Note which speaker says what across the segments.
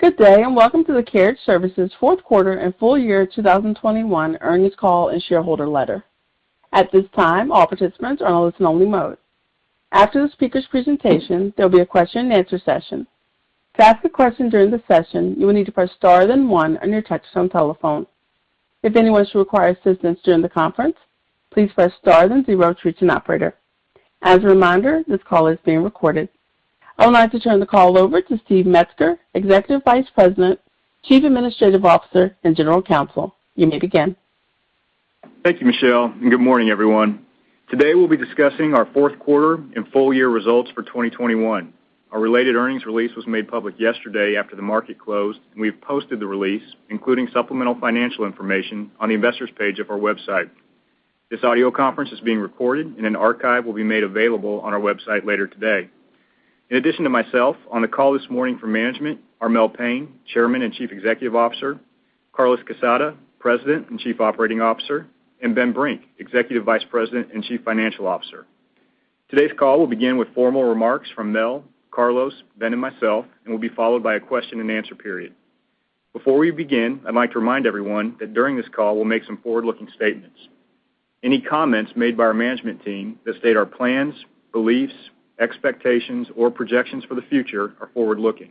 Speaker 1: Good day, and welcome to the Carriage Services fourth quarter and full year 2021 earnings call and shareholder letter. At this time, all participants are in a listen only mode. After the speaker's presentation, there'll be a question and answer session. To ask a question during the session, you will need to press Star then one on your touchtone telephone. If anyone should require assistance during the conference, please press star then zero to reach an operator. As a reminder, this call is being recorded. I would like to turn the call over to Steve Metzger, Executive Vice President, Chief Administrative Officer, and General Counsel. You may begin.
Speaker 2: Thank you, Michelle, and good morning, everyone. Today we'll be discussing our fourth quarter and full year results for 2021. Our related earnings release was made public yesterday after the market closed, and we've posted the release, including supplemental financial information on the investors page of our website. This audio conference is being recorded and an archive will be made available on our website later today. In addition to myself, on the call this morning for management are Mel Payne, Chairman and Chief Executive Officer, Carlos Quezada, President and Chief Operating Officer, and Ben Brink, Executive Vice President and Chief Financial Officer. Today's call will begin with formal remarks from Mel, Carlos, Ben, and myself, and will be followed by a question and answer period. Before we begin, I'd like to remind everyone that during this call we'll make some forward-looking statements. Any comments made by our management team that state our plans, beliefs, expectations or projections for the future are forward-looking.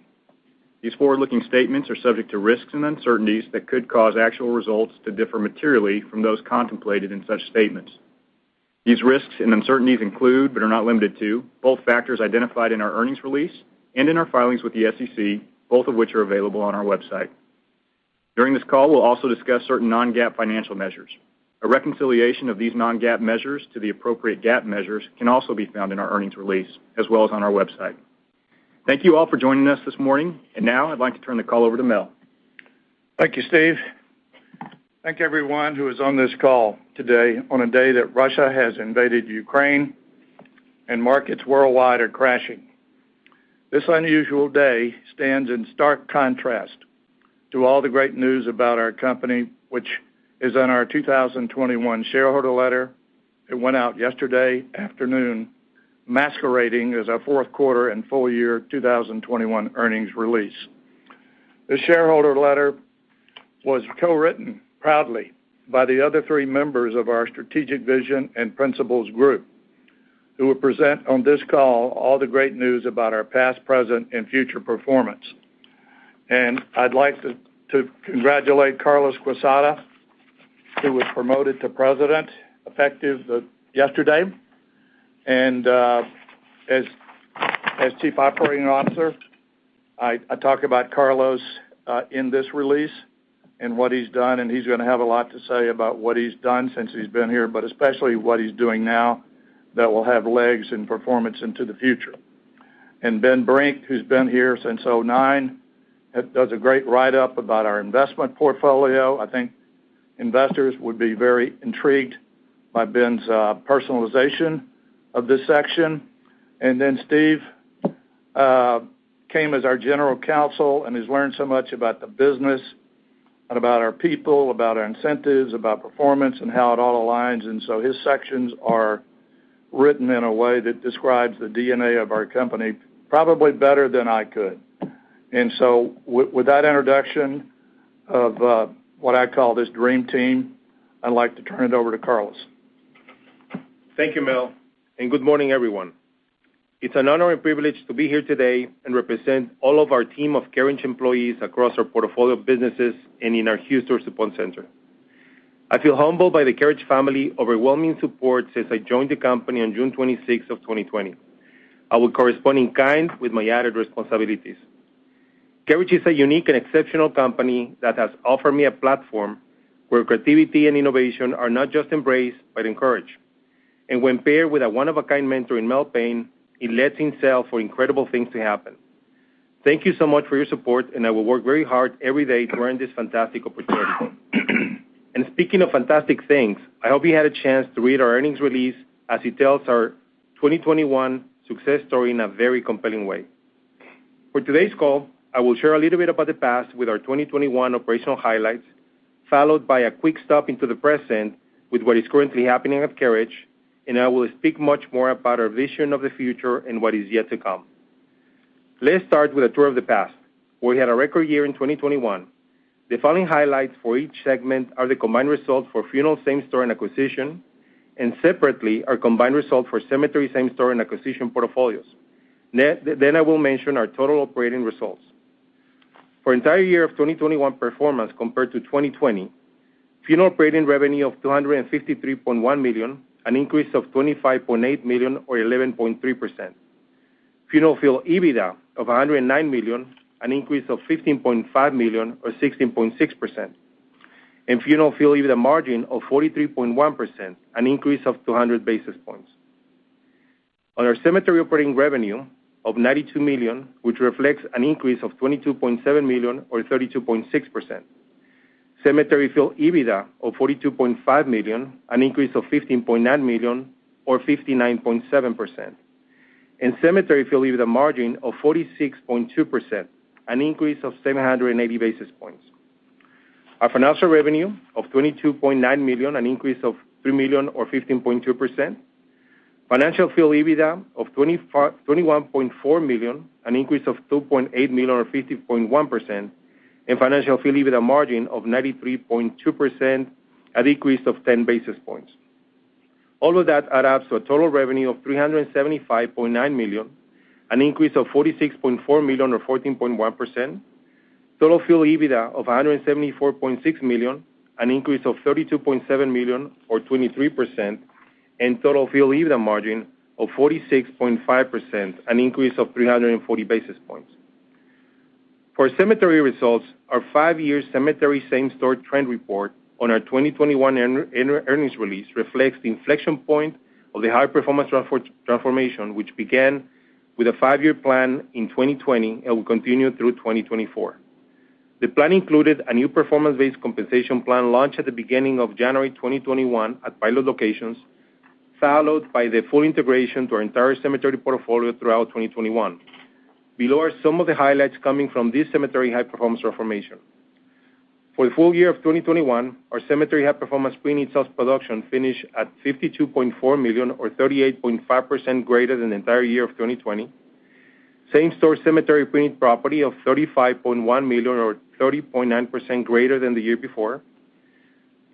Speaker 2: These forward-looking statements are subject to risks and uncertainties that could cause actual results to differ materially from those contemplated in such statements. These risks and uncertainties include, but are not limited to, both factors identified in our earnings release and in our filings with the SEC, both of which are available on our website. During this call, we'll also discuss certain non-GAAP financial measures. A reconciliation of these non-GAAP measures to the appropriate GAAP measures can also be found in our earnings release, as well as on our website. Thank you all for joining us this morning. Now I'd like to turn the call over to Mel Payne.
Speaker 3: Thank you, Steve. Thank everyone who is on this call today on a day that Russia has invaded Ukraine and markets worldwide are crashing. This unusual day stands in stark contrast to all the great news about our company, which is on our 2021 shareholder letter. It went out yesterday afternoon, masquerading as our fourth quarter and full year 2021 earnings release. The shareholder letter was co-written proudly by the other three members of our strategic vision and principals group who will present on this call all the great news about our past, present, and future performance. I'd like to congratulate Carlos Quezada, who was promoted to president, effective yesterday. As Chief Operating Officer, I talk about Carlos in this release and what he's done, and he's gonna have a lot to say about what he's done since he's been here, but especially what he's doing now that will have legs and performance into the future. Ben Brink, who's been here since 2009, does a great write-up about our investment portfolio. I think investors would be very intrigued by Ben's personalization of this section. Then Steve came as our General Counsel and he's learned so much about the business and about our people, about our incentives, about performance and how it all aligns. His sections are written in a way that describes the DNA of our company probably better than I could. With that introduction of what I call this dream team, I'd like to turn it over to Carlos.
Speaker 4: Thank you, Mel, and good morning, everyone. It's an honor and privilege to be here today and represent all of our team of Carriage employees across our portfolio of businesses and in our Houston support center. I feel humbled by the Carriage family overwhelming support since I joined the company on June 26, 2020. I will correspond in kind with my added responsibilities. Carriage is a unique and exceptional company that has offered me a platform where creativity and innovation are not just embraced, but encouraged. When paired with a one of a kind mentor in Mel Payne, it lends itself to incredible things to happen. Thank you so much for your support, and I will work very hard every day to earn this fantastic opportunity. Speaking of fantastic things, I hope you had a chance to read our earnings release as it tells our 2021 success story in a very compelling way. For today's call, I will share a little bit about the past with our 2021 operational highlights, followed by a quick stop into the present with what is currently happening at Carriage, and I will speak much more about our vision of the future and what is yet to come. Let's start with a tour of the past. We had a record year in 2021. The following highlights for each segment are the combined results for funeral same-store and acquisition, and separately, our combined result for cemetery same-store and acquisition portfolios. I will mention our total operating results. For the entire year of 2021 performance compared to 2020, funeral operating revenue of $253.1 million, an increase of $25.8 million or 11.3%. Funeral field EBITDA of $109 million, an increase of $15.5 million or 16.6%. Funeral field EBITDA margin of 43.1%, an increase of 200 basis points. Our Cemetery operating revenue of $92 million, which reflects an increase of $22.7 million or 32.6%. Cemetery field EBITDA of $42.5 million, an increase of $15.9 million or 59.7%. Cemetery field EBITDA margin of 46.2%, an increase of 780 basis points. Our financial revenue of $22.9 million, an increase of $3 million or 15.2%. Financial field EBITDA of $21.4 million, an increase of $2.8 million or 15.1%, and Financial field EBITDA margin of 93.2%, a decrease of 10 basis points. All of that adds up to a total revenue of $375.9 million, an increase of $46.4 million or 14.1%. Total field EBITDA of $174.6 million, an increase of $32.7 million or 23%, and Total field EBITDA margin of 46.5%, an increase of 340 basis points. For cemetery results, our five-year cemetery same-store trend report on our 2021 earnings release reflects the inflection point of the high performance transformation which began with a five-year plan in 2020 and will continue through 2024. The plan included a new performance-based compensation plan launched at the beginning of January 2021 at pilot locations, followed by the full integration to our entire cemetery portfolio throughout 2021. Below are some of the highlights coming from this cemetery high-performance transformation. For the full year of 2021, our cemetery high-performance preneed sales production finished at $52.4 million, or 38.5% greater than the entire year of 2020. Same-store cemetery preneed production of $35.1 million or 30.9% greater than the year before.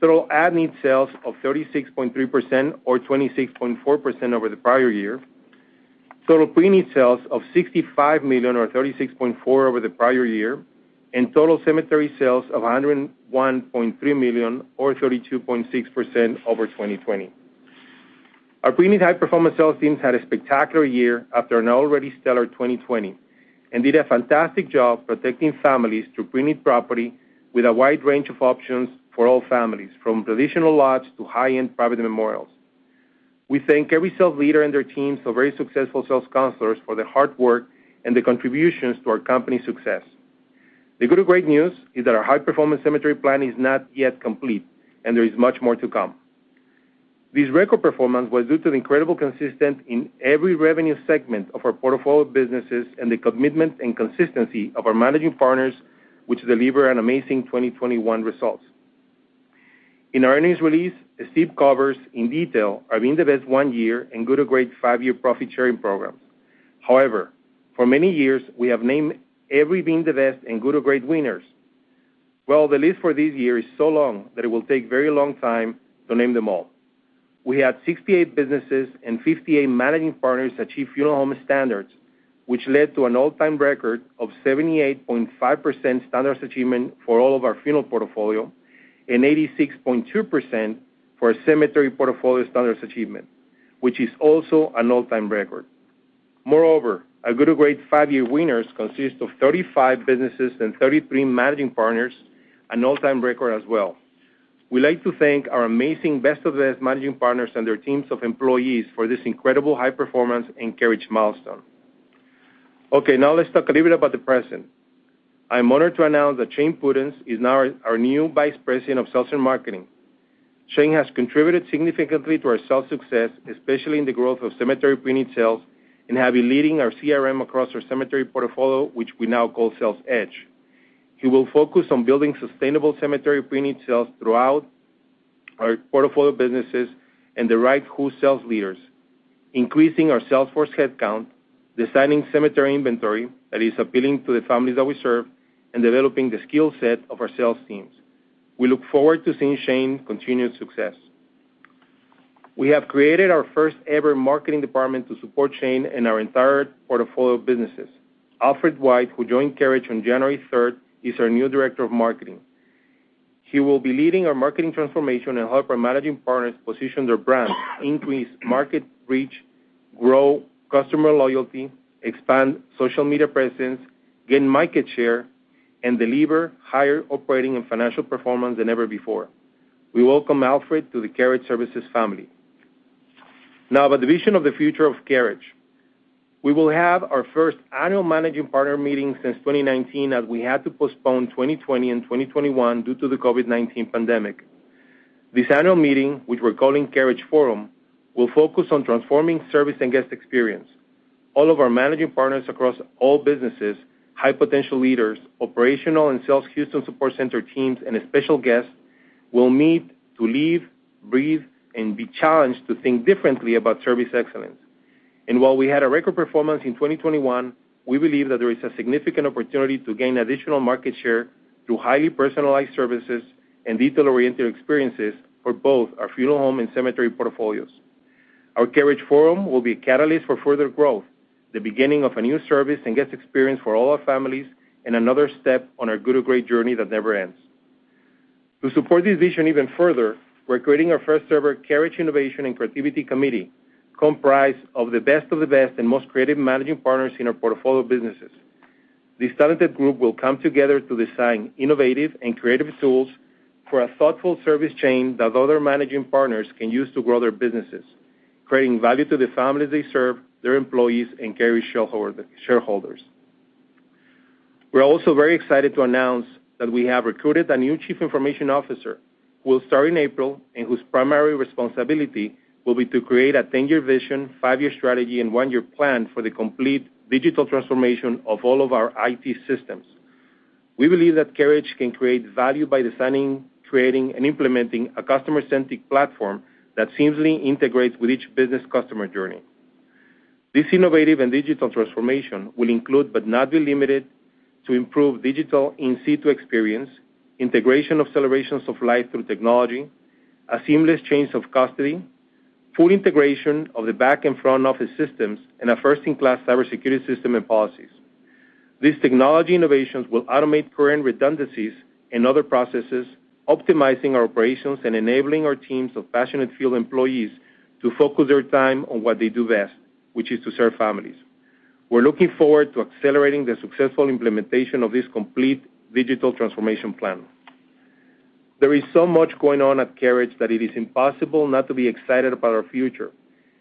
Speaker 4: Total at-need sales of 36.3% or 26.4% over the prior year. Total preneed sales of $65 million or 36.4% over the prior year. Total cemetery sales of $101.3 million or 32.6% over 2020. Our preneed high-performance sales teams had a spectacular year after an already stellar 2020, and did a fantastic job protecting families through preneed property with a wide range of options for all families, from traditional lots to high-end private memorials. We thank every sales leader and their teams of very successful sales counselors for their hard work and their contributions to our company's success. The Good To Great news is that our high-performance cemetery plan is not yet complete, and there is much more to come. This record performance was due to the incredible consistency in every revenue segment of our portfolio of businesses and the commitment and consistency of our managing partners, which delivered an amazing 2021 results. In our earnings release, Steve covers in detail our Being the Best one-year and Good To Great five-year profit-sharing program. However, for many years, we have named every Being the Best and Good To Great winners. Well, the list for this year is so long that it will take very long time to name them all. We had 68 businesses and 58 managing partners achieve funeral home standards, which led to an all-time record of 78.5% standards achievement for all of our funeral portfolio, and 86.2% for our cemetery portfolio standards achievement, which is also an all-time record. Moreover, our Good To Great five-year winners consist of 35 businesses and 33 managing partners, an all-time record as well. We'd like to thank our amazing Best of the Best managing partners and their teams of employees for this incredible high performance and Carriage milestone. Okay, now let's talk a little bit about the present. I'm honored to announce that Shane Pudenz is now our new Vice President of Sales and Marketing. Shane has contributed significantly to our sales success, especially in the growth of cemetery pre-need sales, and have been leading our CRM across our cemetery portfolio, which we now call Sales Edge 2.0. He will focus on building sustainable cemetery pre-need sales throughout our portfolio of businesses and recruiting sales leaders, increasing our sales force headcount, designing cemetery inventory that is appealing to the families that we serve, and developing the skill set of our sales teams. We look forward to seeing Shane's continued success. We have created our first ever marketing department to support Shane and our entire portfolio of businesses. Alfred White, who joined Carriage on January 3rd, is our new Director of Marketing. He will be leading our marketing transformation and help our managing partners position their brands, increase market reach, grow customer loyalty, expand social media presence, gain market share, and deliver higher operating and financial performance than ever before. We welcome Alfred to the Carriage Services family. Now, about the vision of the future of Carriage. We will have our first annual managing partner meeting since 2019, as we had to postpone 2020 and 2021 due to the COVID-19 pandemic. This annual meeting, which we're calling Carriage Forum, will focus on transforming service and guest experience. All of our managing partners across all businesses, high-potential leaders, operational and sales Houston support center teams, and a special guest will meet to live, breathe, and be challenged to think differently about service excellence. While we had a record performance in 2021, we believe that there is a significant opportunity to gain additional market share through highly personalized services and detail-oriented experiences for both our funeral home and cemetery portfolios. Our Carriage Forum will be a catalyst for further growth, the beginning of a new service and guest experience for all our families, and another step on our Good To Great journey that never ends. To support this vision even further, we're creating our first-ever Carriage Innovation and Creativity Committee, comprised of the best of the best and most creative managing partners in our portfolio of businesses. This talented group will come together to design innovative and creative tools for a thoughtful service chain that other managing partners can use to grow their businesses, creating value to the families they serve, their employees, and Carriage shareholders. We're also very excited to announce that we have recruited a new Chief Information Officer. We'll start in April, and whose primary responsibility will be to create a ten-year vision, five-year strategy, and one-year plan for the complete digital transformation of all of our IT systems. We believe that Carriage can create value by designing, creating, and implementing a customer-centric platform that seamlessly integrates with each business customer journey. This innovative and digital transformation will include but not be limited to improved digital in situ experience, integration of celebrations of life through technology, a seamless change of custody, full integration of the back-and-front office systems, and a first-in-class cybersecurity system and policies. These technology innovations will automate current redundancies and other processes, optimizing our operations and enabling our teams of passionate field employees to focus their time on what they do best, which is to serve families. We're looking forward to accelerating the successful implementation of this complete digital transformation plan. There is so much going on at Carriage that it is impossible not to be excited about our future.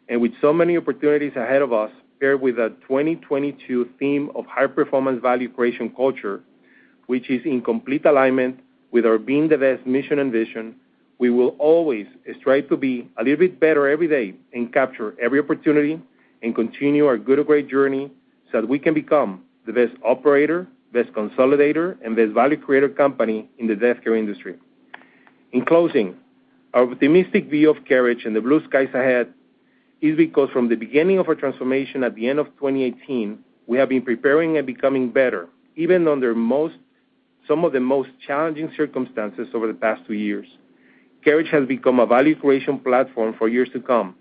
Speaker 4: With so many opportunities ahead of us, paired with our 2022 theme of high-performance value creation culture, which is in complete alignment with our Being the Best mission and vision, we will always strive to be a little bit better every day and capture every opportunity and continue our Good To Great journey so that we can become the best operator, best consolidator, and best value creator company in the death care industry. In closing, our optimistic view of Carriage and the blue skies ahead is because from the beginning of our transformation at the end of 2018, we have been preparing and becoming better, even under some of the most challenging circumstances over the past two years. Carriage has become a value creation platform for years to come.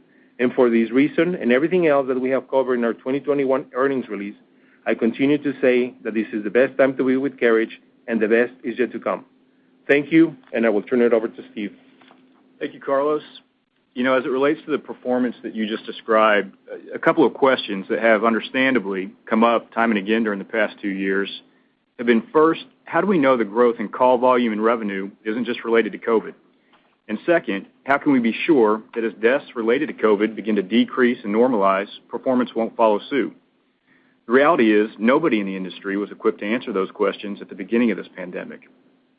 Speaker 4: For these reasons and everything else that we have covered in our 2021 earnings release, I continue to say that this is the best time to be with Carriage and the best is yet to come. Thank you, and I will turn it over to Steve.
Speaker 2: Thank you, Carlos. You know, as it relates to the performance that you just described, a couple of questions that have understandably come up time and again during the past two years have been, first, how do we know the growth in call volume and revenue isn't just related to COVID? And second, how can we be sure that as deaths related to COVID begin to decrease and normalize, performance won't follow suit? The reality is nobody in the industry was equipped to answer those questions at the beginning of this pandemic.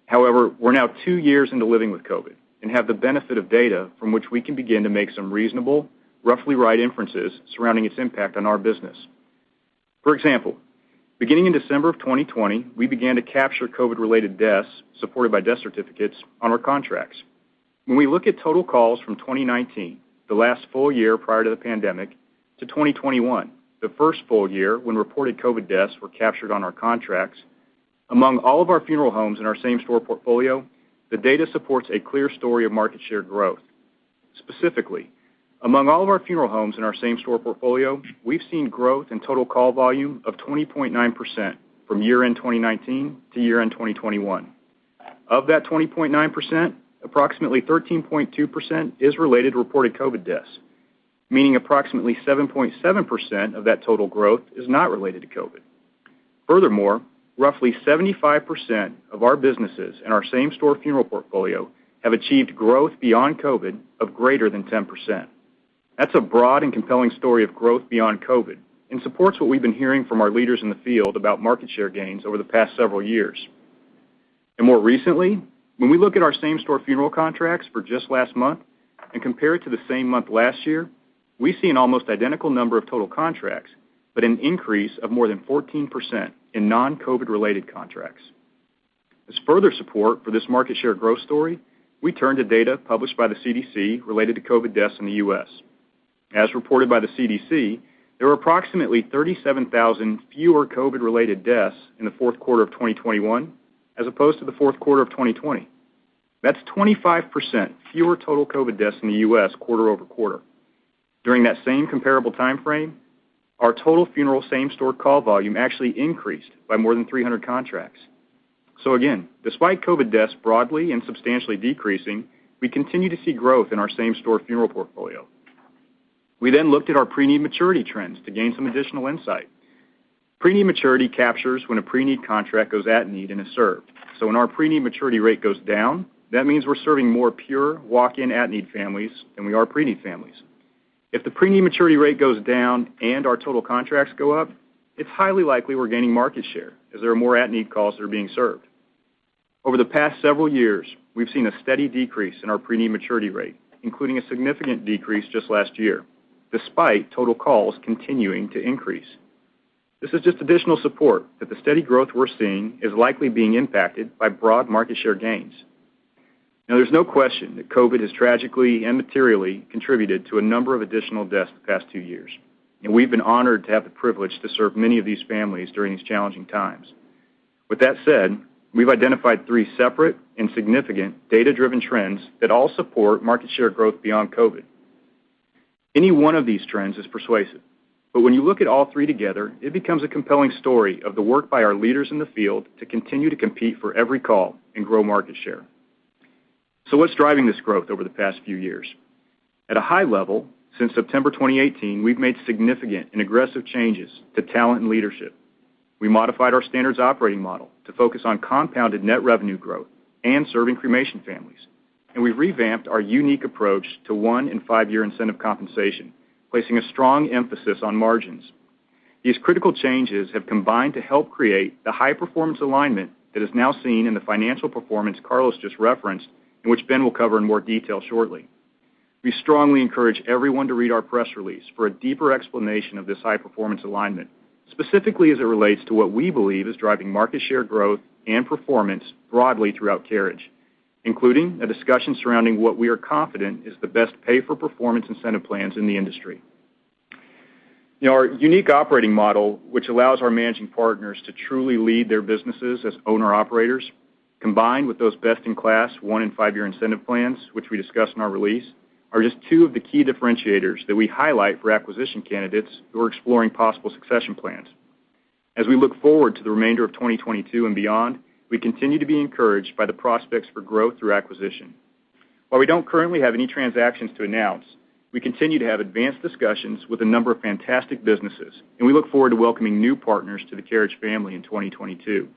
Speaker 2: However, we're now two years into living with COVID and have the benefit of data from which we can begin to make some reasonable, roughly right inferences surrounding its impact on our business. For example, beginning in December of 2020, we began to capture COVID-related deaths supported by death certificates on our contracts. When we look at total calls from 2019, the last full year prior to the pandemic, to 2021, the first full year when reported COVID deaths were captured on our contracts, among all of our funeral homes in our same-store portfolio, the data supports a clear story of market share growth. Specifically, among all of our funeral homes in our same-store portfolio, we've seen growth in total call volume of 20.9% from year-end 2019 to year-end 2021. Of that 20.9%, approximately 13.2% is related to reported COVID deaths, meaning approximately 7.7% of that total growth is not related to COVID. Furthermore, roughly 75% of our businesses in our same-store funeral portfolio have achieved growth beyond COVID of greater than 10%. That's a broad and compelling story of growth beyond COVID and supports what we've been hearing from our leaders in the field about market share gains over the past several years. More recently, when we look at our same-store funeral contracts for just last month and compare it to the same month last year, we see an almost identical number of total contracts, but an increase of more than 14% in non-COVID-related contracts. As further support for this market share growth story, we turn to data published by the CDC related to COVID deaths in the U.S. As reported by the CDC, there were approximately 37,000 fewer COVID-related deaths in the fourth quarter of 2021 as opposed to the fourth quarter of 2020. That's 25% fewer total COVID deaths in the U.S. quarter-over-quarter. During that same comparable timeframe, our total funeral same-store call volume actually increased by more than 300 contracts. Again, despite COVID deaths broadly and substantially decreasing, we continue to see growth in our same-store funeral portfolio. We then looked at our preneed maturity trends to gain some additional insight. Preneed maturity captures when a preneed contract goes at-need and is served. When our preneed maturity rate goes down, that means we're serving more pure walk-in at-need families than we are preneed families. If the preneed maturity rate goes down and our total contracts go up, it's highly likely we're gaining market share as there are more at-need calls that are being served. Over the past several years, we've seen a steady decrease in our preneed maturity rate, including a significant decrease just last year, despite total calls continuing to increase. This is just additional support that the steady growth we're seeing is likely being impacted by broad market share gains. Now there's no question that COVID has tragically and materially contributed to a number of additional deaths the past two years, and we've been honored to have the privilege to serve many of these families during these challenging times. With that said, we've identified three separate and significant data-driven trends that all support market share growth beyond COVID. Any one of these trends is persuasive, but when you look at all three together, it becomes a compelling story of the work by our leaders in the field to continue to compete for every call and grow market share. What's driving this growth over the past few years? At a high level, since September 2018, we've made significant and aggressive changes to talent and leadership. We modified our Standards Operating Model to focus on compounded net revenue growth and serving cremation families. We've revamped our unique approach to one- and five-year incentive compensation, placing a strong emphasis on margins. These critical changes have combined to help create the high-performance alignment that is now seen in the financial performance Carlos just referenced, and which Ben will cover in more detail shortly. We strongly encourage everyone to read our press release for a deeper explanation of this high-performance alignment, specifically as it relates to what we believe is driving market share growth and performance broadly throughout Carriage, including a discussion surrounding what we are confident is the best pay-for-performance incentive plans in the industry. Our unique operating model, which allows our managing partners to truly lead their businesses as owner-operators, combined with those best-in-class one and five-year incentive plans, which we discussed in our release, are just two of the key differentiators that we highlight for acquisition candidates who are exploring possible succession plans. As we look forward to the remainder of 2022 and beyond, we continue to be encouraged by the prospects for growth through acquisition. While we don't currently have any transactions to announce, we continue to have advanced discussions with a number of fantastic businesses, and we look forward to welcoming new partners to the Carriage family in 2022.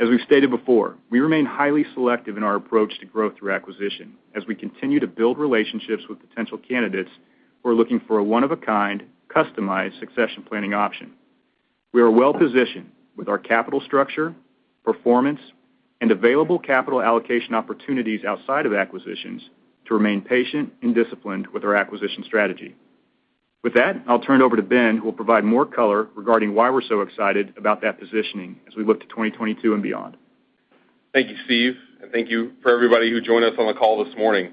Speaker 2: As we've stated before, we remain highly selective in our approach to growth through acquisition as we continue to build relationships with potential candidates who are looking for a one-of-a-kind, customized succession planning option. We are well-positioned with our capital structure, performance, and available capital allocation opportunities outside of acquisitions to remain patient and disciplined with our acquisition strategy. With that, I'll turn it over to Ben, who will provide more color regarding why we're so excited about that positioning as we look to 2022 and beyond.
Speaker 5: Thank you, Steve, and thank you for everybody who joined us on the call this morning.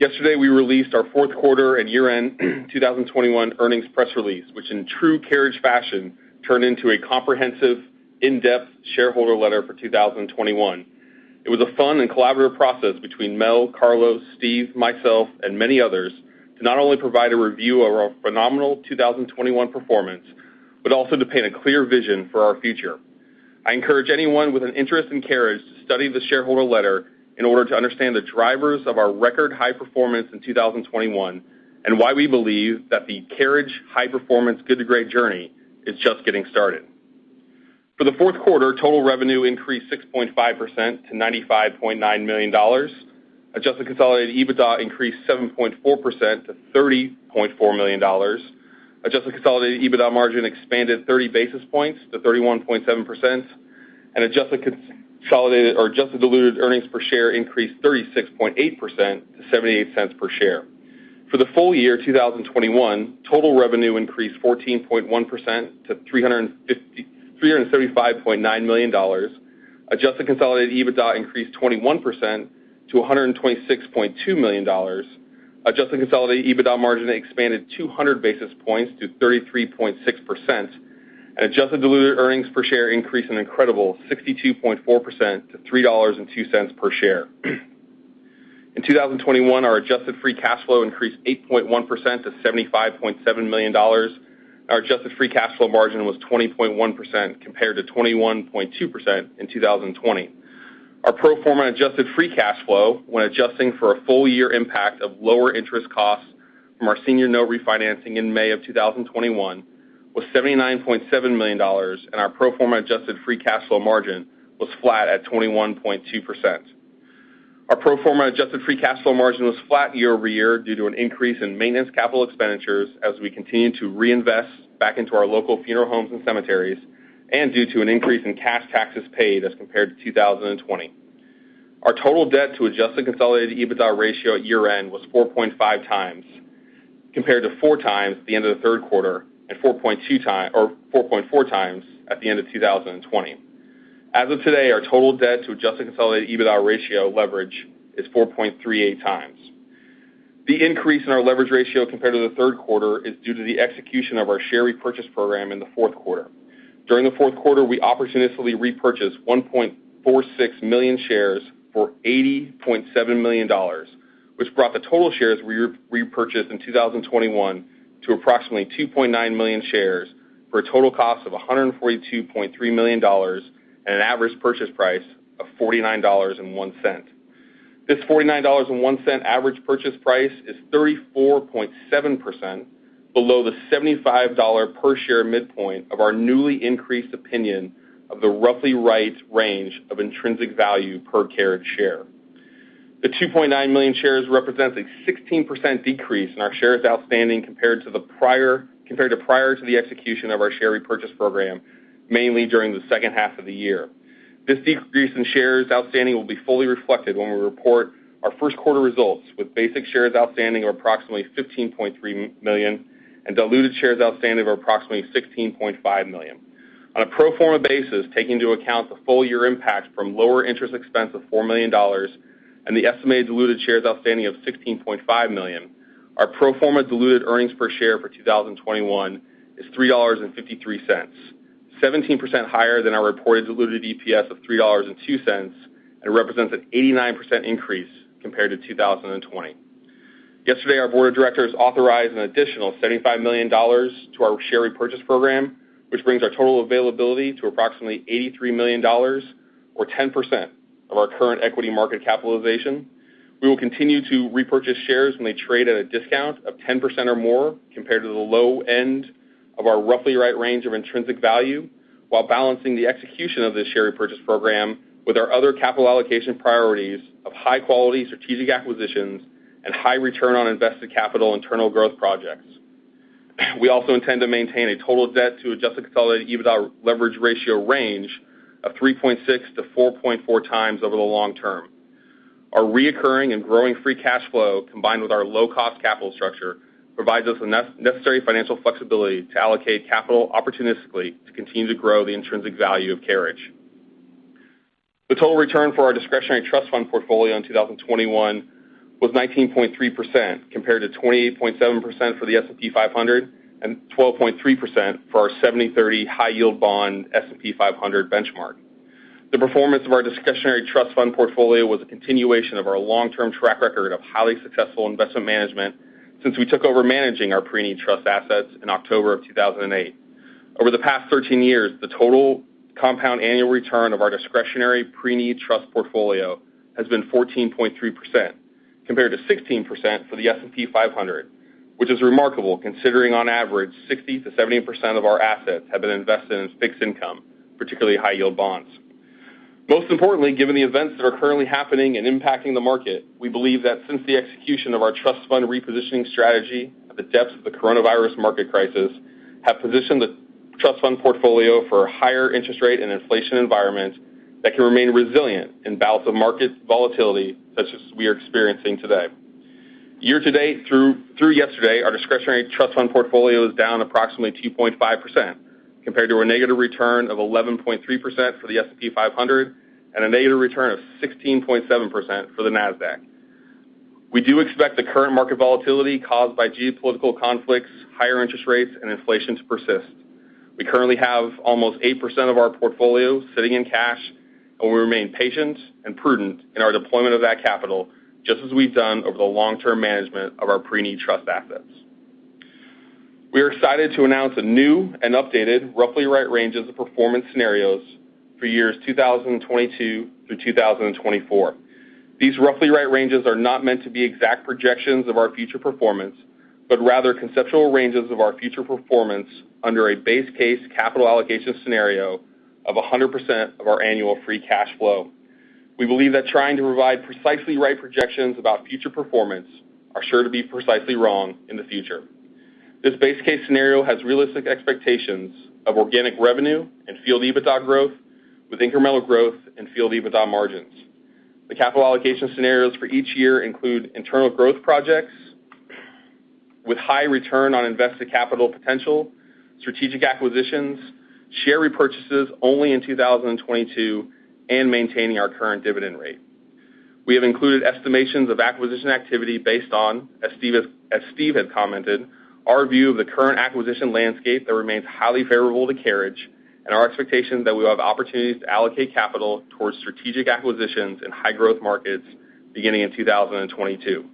Speaker 5: Yesterday, we released our fourth quarter and year-end 2021 earnings press release, which in true Carriage fashion, turned into a comprehensive, in-depth shareholder letter for 2021. It was a fun and collaborative process between Mel, Carlos, Steve, myself, and many others to not only provide a review of our phenomenal 2021 performance, but also to paint a clear vision for our future. I encourage anyone with an interest in Carriage to study the shareholder letter in order to understand the drivers of our record high performance in 2021, and why we believe that the Carriage high-performance Good To Great journey is just getting started. For the fourth quarter, total revenue increased 6.5% to $95.9 million. Adjusted consolidated EBITDA increased 7.4% to $30.4 million. Adjusted consolidated EBITDA margin expanded 30 basis points to 31.7%, and adjusted consolidated or adjusted diluted earnings per share increased 36.8% to $0.78 per share. For the full year 2021, total revenue increased 14.1% to $335.9 million. Adjusted consolidated EBITDA increased 21% to $126.2 million. Adjusted consolidated EBITDA margin expanded 200 basis points to 33.6%, and adjusted diluted earnings per share increased an incredible 62.4% to $3.02 per share. In 2021, our adjusted free cash flow increased 8.1% to $75.7 million. Our adjusted free cash flow margin was 20.1% compared to 21.2% in 2020. Our pro forma adjusted free cash flow when adjusting for a full year impact of lower interest costs from our senior note refinancing in May of 2021 was $79.7 million, and our pro forma adjusted free cash flow margin was flat at 21.2%. Our pro forma adjusted free cash flow margin was flat year-over-year due to an increase in maintenance capital expenditures as we continue to reinvest back into our local funeral homes and cemeteries and due to an increase in cash taxes paid as compared to 2020. Our total debt to adjusted consolidated EBITDA ratio at year-end was 4.5x compared to 4x at the end of the third quarter and 4.4 times at the end of 2020. As of today, our total debt to adjusted consolidated EBITDA ratio leverage is 4.38x. The increase in our leverage ratio compared to the third quarter is due to the execution of our share repurchase program in the fourth quarter. During the fourth quarter, we opportunistically repurchased 1.46 million shares for $80.7 million, which brought the total shares repurchased in 2021 to approximately 2.9 million shares for a total cost of $142.3 million and an average purchase price of $49.01. This $49.01 average purchase price is 34.7% below the $75 per share midpoint of our newly increased opinion of the roughly right range of intrinsic value per Carriage share. The 2.9 million shares represents a 16% decrease in our shares outstanding compared to prior to the execution of our share repurchase program, mainly during the second half of the year. This decrease in shares outstanding will be fully reflected when we report our first quarter results with basic shares outstanding of approximately 15.3 million and diluted shares outstanding of approximately 15.5 million. On a pro forma basis, taking into account the full year impact from lower interest expense of $4 million and the estimated diluted shares outstanding of 15.5 million, our pro forma diluted earnings per share for 2021 is $3.53, 17% higher than our reported diluted EPS of $3.02 and represents an 89% increase compared to 2020. Yesterday, our Board of Directors authorized an additional $75 million to our share repurchase program, which brings our total availability to approximately $83 million or 10% of our current equity market capitalization. We will continue to repurchase shares when they trade at a discount of 10% or more compared to the low end of our roughly right range of intrinsic value, while balancing the execution of this share repurchase program with our other capital allocation priorities of high-quality strategic acquisitions and high return on invested capital internal growth projects. We also intend to maintain a total debt to adjusted consolidated EBITDA leverage ratio range of 3.6x-4.4x over the long term. Our recurring and growing free cash flow, combined with our low-cost capital structure, provides us the necessary financial flexibility to allocate capital opportunistically to continue to grow the intrinsic value of Carriage. The total return for our discretionary trust fund portfolio in 2021 was 19.3%, compared to 28.7% for the S&P 500 and 12.3% for our 70/30 high-yield bond S&P 500 benchmark. The performance of our discretionary trust fund portfolio was a continuation of our long-term track record of highly successful investment management since we took over managing our preneed trust assets in October 2008. Over the past 13 years, the total compound annual return of our discretionary preneed trust portfolio has been 14.3%, compared to 16% for the S&P 500, which is remarkable considering on average, 60%-70% of our assets have been invested in fixed income, particularly high-yield bonds. Most importantly, given the events that are currently happening and impacting the market, we believe that since the execution of our trust fund repositioning strategy at the depths of the coronavirus market crisis, we have positioned the trust fund portfolio for a higher interest rate and inflation environment that can remain resilient in balance of market volatility such as we are experiencing today. Year-to-date through yesterday, our discretionary trust fund portfolio is down approximately 2.5% compared to a negative return of 11.3% for the S&P 500 and a negative return of 16.7% for the Nasdaq. We do expect the current market volatility caused by geopolitical conflicts, higher interest rates, and inflation to persist. We currently have almost 8% of our portfolio sitting in cash, and we remain patient and prudent in our deployment of that capital, just as we've done over the long-term management of our preneed trust assets. We are excited to announce a new and updated roughly right ranges of performance scenarios for years 2022 through 2024. These roughly right ranges are not meant to be exact projections of our future performance, but rather conceptual ranges of our future performance under a base case capital allocation scenario of 100% of our annual free cash flow. We believe that trying to provide precisely right projections about future performance are sure to be precisely wrong in the future. This base case scenario has realistic expectations of organic revenue and field EBITDA growth with incremental growth and field EBITDA margins. The capital allocation scenarios for each year include internal growth projects with high return on invested capital potential, strategic acquisitions, share repurchases only in 2022, and maintaining our current dividend rate. We have included estimations of acquisition activity based on, as Steve had commented, our view of the current acquisition landscape that remains highly favorable to Carriage and our expectation that we will have opportunities to allocate capital towards strategic acquisitions in high growth markets beginning in 2022.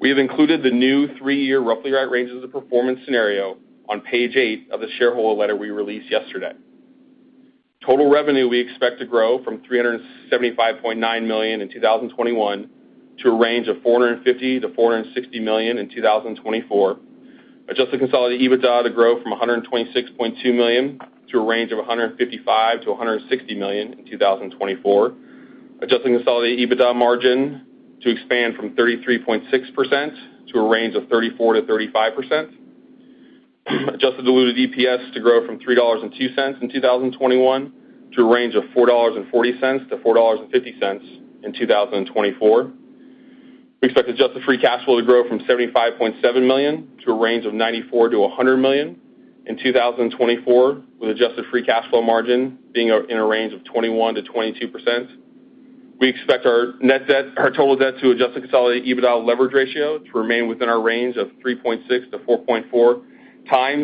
Speaker 5: We have included the new three-year roughly right ranges of performance scenario on page eight of the shareholder letter we released yesterday. Total revenue we expect to grow from $375.9 million in 2021 to a range of $450 million-$460 million in 2024. Adjusted consolidated EBITDA to grow from $126.2 million to a range of $155 million-$160 million in 2024. Adjusted consolidated EBITDA margin to expand from 33.6% to a range of 34%-35%. Adjusted diluted EPS to grow from $3.02 in 2021 to a range of $4.40-$4.50 in 2024. We expect adjusted free cash flow to grow from $75.7 million to a range of $94 million-$100 million in 2024, with adjusted free cash flow margin being in a range of 21%-22%. We expect our net debt, our total debt to adjusted consolidated EBITDA leverage ratio to remain within our range of 3.6x-4.4x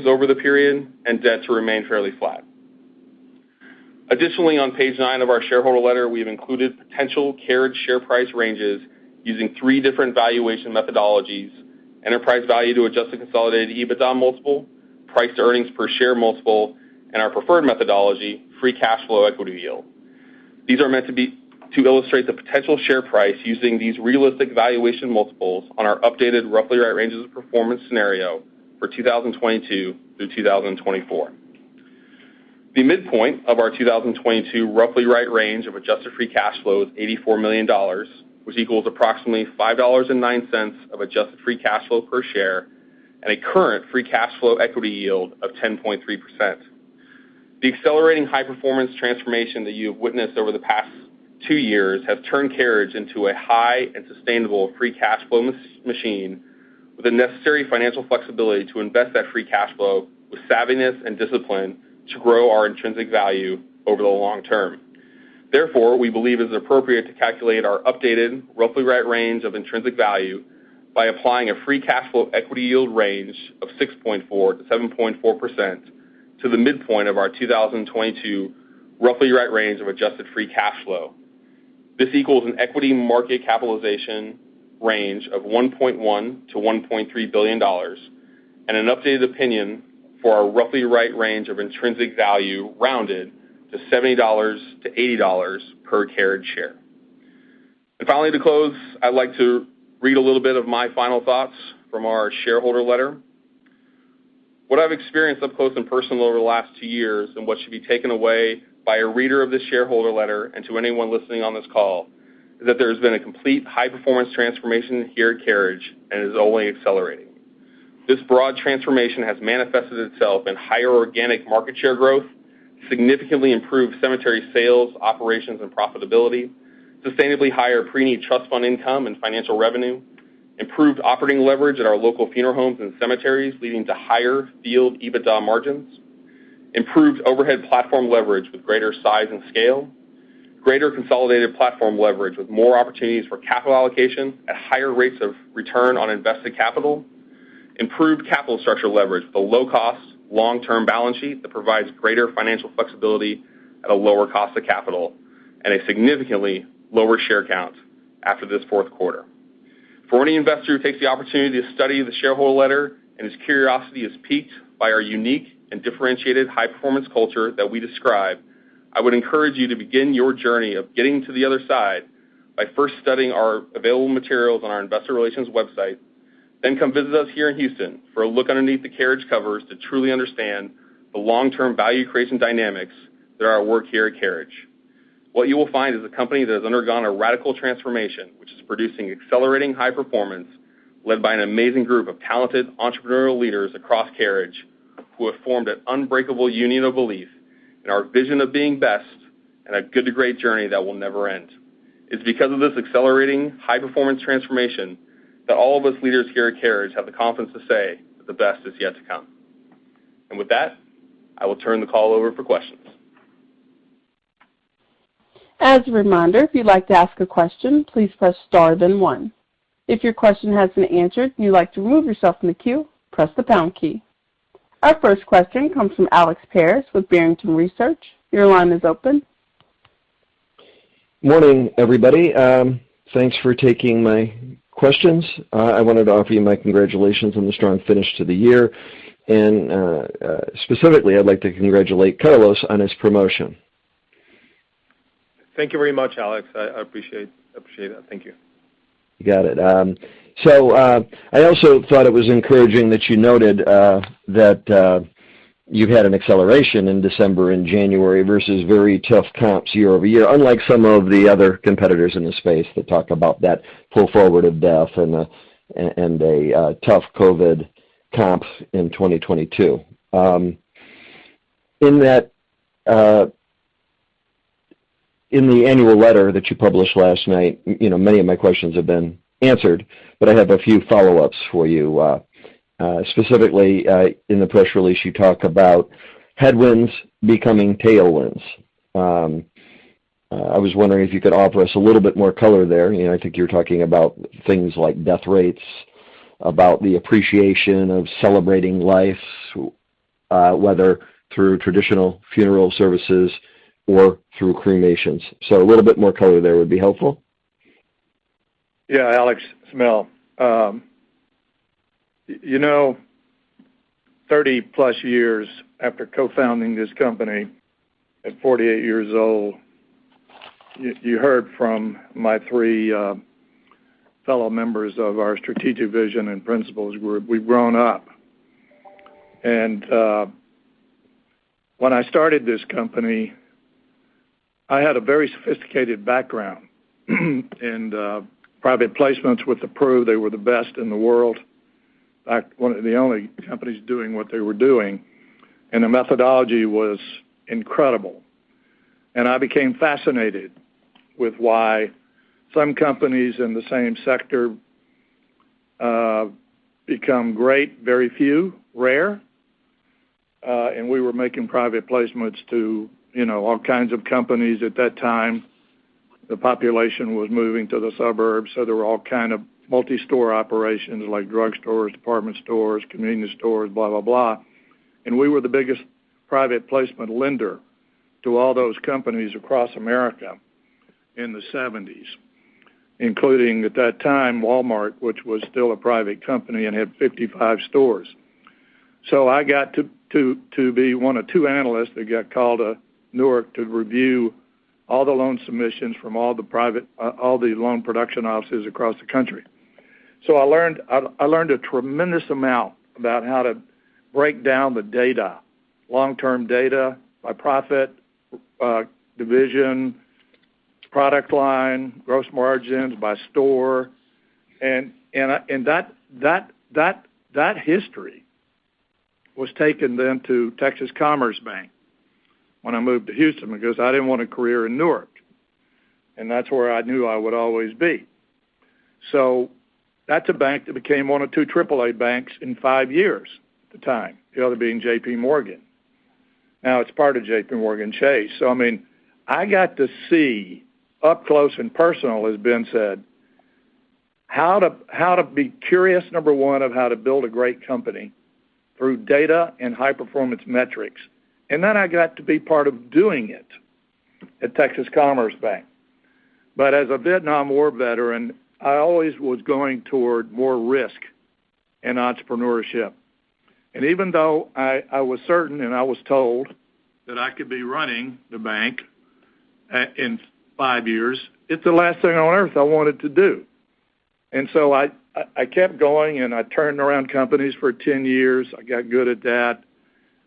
Speaker 5: over the period and debt to remain fairly flat. Additionally, on page nine of our shareholder letter, we have included potential Carriage share price ranges using three different valuation methodologies, enterprise value to adjusted consolidated EBITDA multiple, price to earnings per share multiple, and our preferred methodology, free cash flow equity yield. These are meant to illustrate the potential share price using these realistic valuation multiples on our updated roughly right ranges of performance scenario for 2022 through 2024. The midpoint of our 2022 roughly right range of adjusted free cash flow is $84 million, which equals approximately $5.09 of adjusted free cash flow per share and a current free cash flow equity yield of 10.3%. The accelerating high-performance transformation that you have witnessed over the past two years have turned Carriage into a high and sustainable free cash flow machine with the necessary financial flexibility to invest that free cash flow with savviness and discipline to grow our intrinsic value over the long term. Therefore, we believe it's appropriate to calculate our updated roughly right range of intrinsic value by applying a free cash flow equity yield range of 6.4%-7.4% to the midpoint of our 2022 roughly right range of adjusted free cash flow. This equals an equity market capitalization range of $1.1 billion-$1.3 billion and an updated opinion for our roughly right range of intrinsic value rounded to $70-$80 per Carriage share. Finally, to close, I'd like to read a little bit of my final thoughts from our shareholder letter. What I've experienced up close and personal over the last two years, and what should be taken away by a reader of this shareholder letter and to anyone listening on this call, is that there has been a complete high-performance transformation here at Carriage and is only accelerating. This broad transformation has manifested itself in higher organic market share growth, significantly improved cemetery sales, operations and profitability, sustainably higher preneed trust fund income and financial revenue, improved operating leverage at our local funeral homes and cemeteries, leading to higher field EBITDA margins, improved overhead platform leverage with greater size and scale, greater consolidated platform leverage with more opportunities for capital allocation at higher rates of return on invested capital, improved capital structure leverage with a low cost, long-term balance sheet that provides greater financial flexibility at a lower cost of capital, and a significantly lower share count after this fourth quarter. For any investor who takes the opportunity to study the shareholder letter, and his curiosity is piqued by our unique and differentiated high-performance culture that we describe, I would encourage you to begin your journey of getting to the other side by first studying our available materials on our investor relations website. Come visit us here in Houston for a look underneath the Carriage covers to truly understand the long-term value creation dynamics that are at work here at Carriage. What you will find is a company that has undergone a radical transformation, which is producing accelerating high performance, led by an amazing group of talented entrepreneurial leaders across Carriage, who have formed an unbreakable union of belief in our vision of Being the Best and a Good To Great journey that will never end. It's because of this accelerating high-performance transformation that all of us leaders here at Carriage have the confidence to say that the best is yet to come. With that, I will turn the call over for questions.
Speaker 1: As a reminder, if you'd like to ask a question, please press star, then one. If your question has been answered and you'd like to remove yourself from the queue, press the pound key. Our first question comes from Alex Paris with Barrington Research. Your line is open.
Speaker 6: Morning, everybody. Thanks for taking my questions. I wanted to offer you my congratulations on the strong finish to the year. Specifically, I'd like to congratulate Carlos on his promotion.
Speaker 4: Thank you very much, Alex. I appreciate that. Thank you.
Speaker 6: You got it. I also thought it was encouraging that you noted that you've had an acceleration in December and January versus very tough comps year-over-year, unlike some of the other competitors in the space that talk about that pull forward of death and a tough COVID comps in 2022. In the annual letter that you published last night, you know, many of my questions have been answered, but I have a few follow-ups for you. Specifically, in the press release, you talk about headwinds becoming tailwinds. I was wondering if you could offer us a little bit more color there. You know, I think you're talking about things like death rates, about the appreciation of celebrating life, whether through traditional funeral services or through cremations. A little bit more color there would be helpful.
Speaker 3: Yeah, Alex, it's Mel. You know, 30+ years after co-founding this company at 48 years old, you heard from my three fellow members of our strategic vision and principles group, we've grown up. When I started this company, I had a very sophisticated background in private placements with The Pru. They were the best in the world. In fact, one of the only companies doing what they were doing. The methodology was incredible. I became fascinated with why some companies in the same sector become great, very few, rare. We were making private placements to, you know, all kinds of companies at that time. The population was moving to the suburbs, so there were all kind of multi-store operations like drugstores, department stores, convenience stores, blah, blah. We were the biggest private placement lender to all those companies across America in the 1970s, including, at that time, Walmart, which was still a private company and had 55 stores. I got to be one of two analysts that got called to Newark to review all the loan submissions from all the loan production offices across the country. I learned a tremendous amount about how to break down the data, long-term data by profit, division, product line, gross margins by store. That history was taken then to Texas Commerce Bank when I moved to Houston, because I didn't want a career in Newark, and that's where I knew I would always be. That's a bank that became one of two triple A banks in five years at the time, the other being JPMorgan. Now it's part of JPMorgan Chase. I mean, I got to see up close and personal, as Ben said, how to be curious, number one, of how to build a great company through data and high-performance metrics. Then I got to be part of doing it at Texas Commerce Bank. As a Vietnam War veteran, I always was going toward more risk and entrepreneurship. Even though I was certain, and I was told that I could be running the bank in five years, it's the last thing on earth I wanted to do. I kept going, and I turned around companies for 10 years. I got good at that,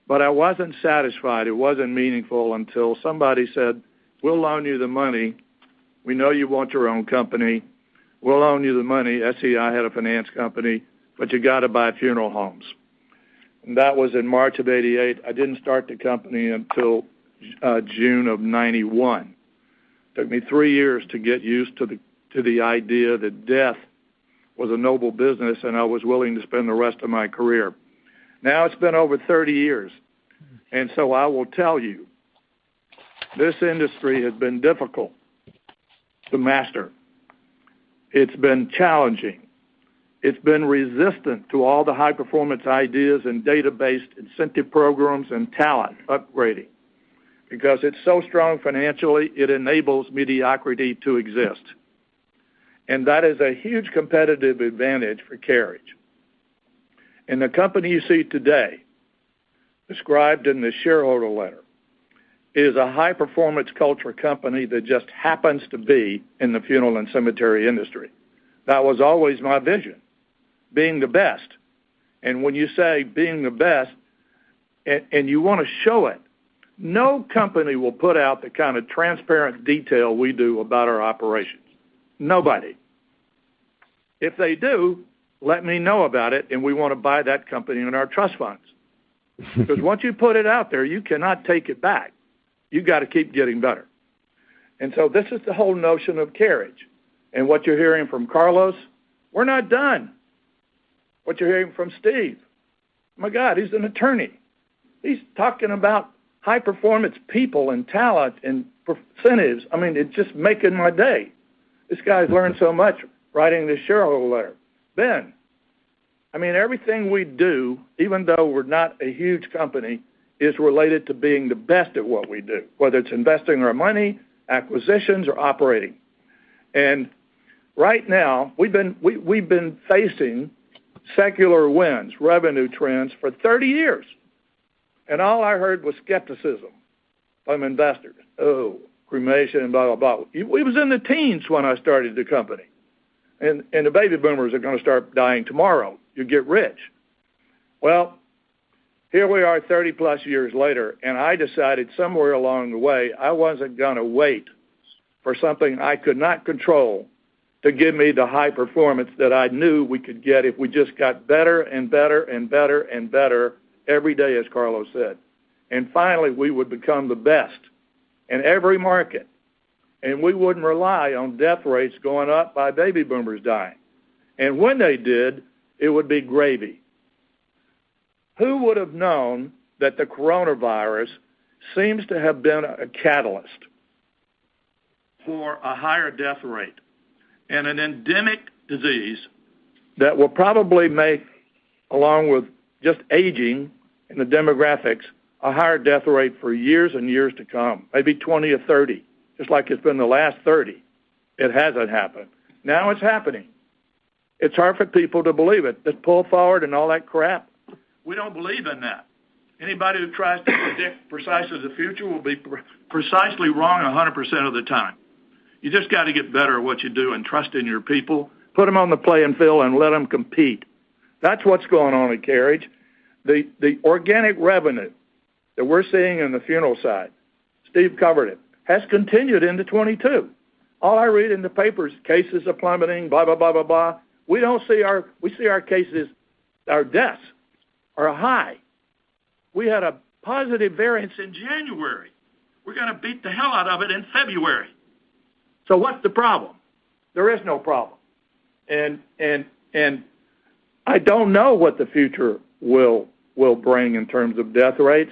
Speaker 3: but I wasn't satisfied. It wasn't meaningful until somebody said, "We'll loan you the money. We know you want your own company. We'll loan you the money." SEI had a finance company, but you got to buy funeral homes. That was in March of 1988. I didn't start the company until June of 1991. Took me three years to get used to the idea that death was a noble business, and I was willing to spend the rest of my career. Now it's been over 30 years, and so I will tell you, this industry has been difficult to master. It's been challenging. It's been resistant to all the high-performance ideas and data-based incentive programs and talent upgrading. Because it's so strong financially, it enables mediocrity to exist. That is a huge competitive advantage for Carriage. The company you see today, described in the shareholder letter, is a high-performance culture company that just happens to be in the funeral and cemetery industry. That was always my vision, Being the Best. When you say Being the Best and you wanna show it, no company will put out the kind of transparent detail we do about our operations. Nobody. If they do, let me know about it, and we wanna buy that company in our trust funds. Because once you put it out there, you cannot take it back. You've got to keep getting better. This is the whole notion of Carriage. What you're hearing from Carlos, we're not done. What you're hearing from Steve, my God, he's an attorney. He's talking about high-performance people and talent and incentives. I mean, it's just making my day. This guy's learned so much writing this shareholder letter. Ben. I mean, everything we do, even though we're not a huge company, is related to Being the Best at what we do, whether it's investing our money, acquisitions or operating. Right now, we've been facing secular winds, revenue trends for 30 years. All I heard was skepticism from investors. Oh, cremation, blah, blah. It was in the teens when I started the company, and the baby boomers are gonna start dying tomorrow. You get rich. Well, here we are 30+ years later, and I decided somewhere along the way, I wasn't gonna wait for something I could not control to give me the high performance that I knew we could get if we just got better and better and better and better every day, as Carlos said. Finally, we would become the best in every market, and we wouldn't rely on death rates going up by baby boomers dying. When they did, it would be gravy. Who would have known that the coronavirus seems to have been a catalyst for a higher death rate and an endemic disease that will probably make, along with just aging and the demographics, a higher death rate for years and years to come, maybe 20 or 30 years, just like it's been the last 30 years. It hasn't happened. Now it's happening. It's hard for people to believe it, this pull forward and all that crap. We don't believe in that. Anybody who tries to predict precisely the future will be precisely wrong 100% of the time. You just got to get better at what you do and trust in your people, put them on the playing field and let them compete. That's what's going on at Carriage. The organic revenue that we're seeing in the funeral side, Steve covered it, has continued into 2022. All I read in the paper is cases are plummeting, blah, blah, blah. We see our cases, our deaths are high. We had a positive variance in January. We're gonna beat the hell out of it in February. What's the problem? There is no problem. I don't know what the future will bring in terms of death rates.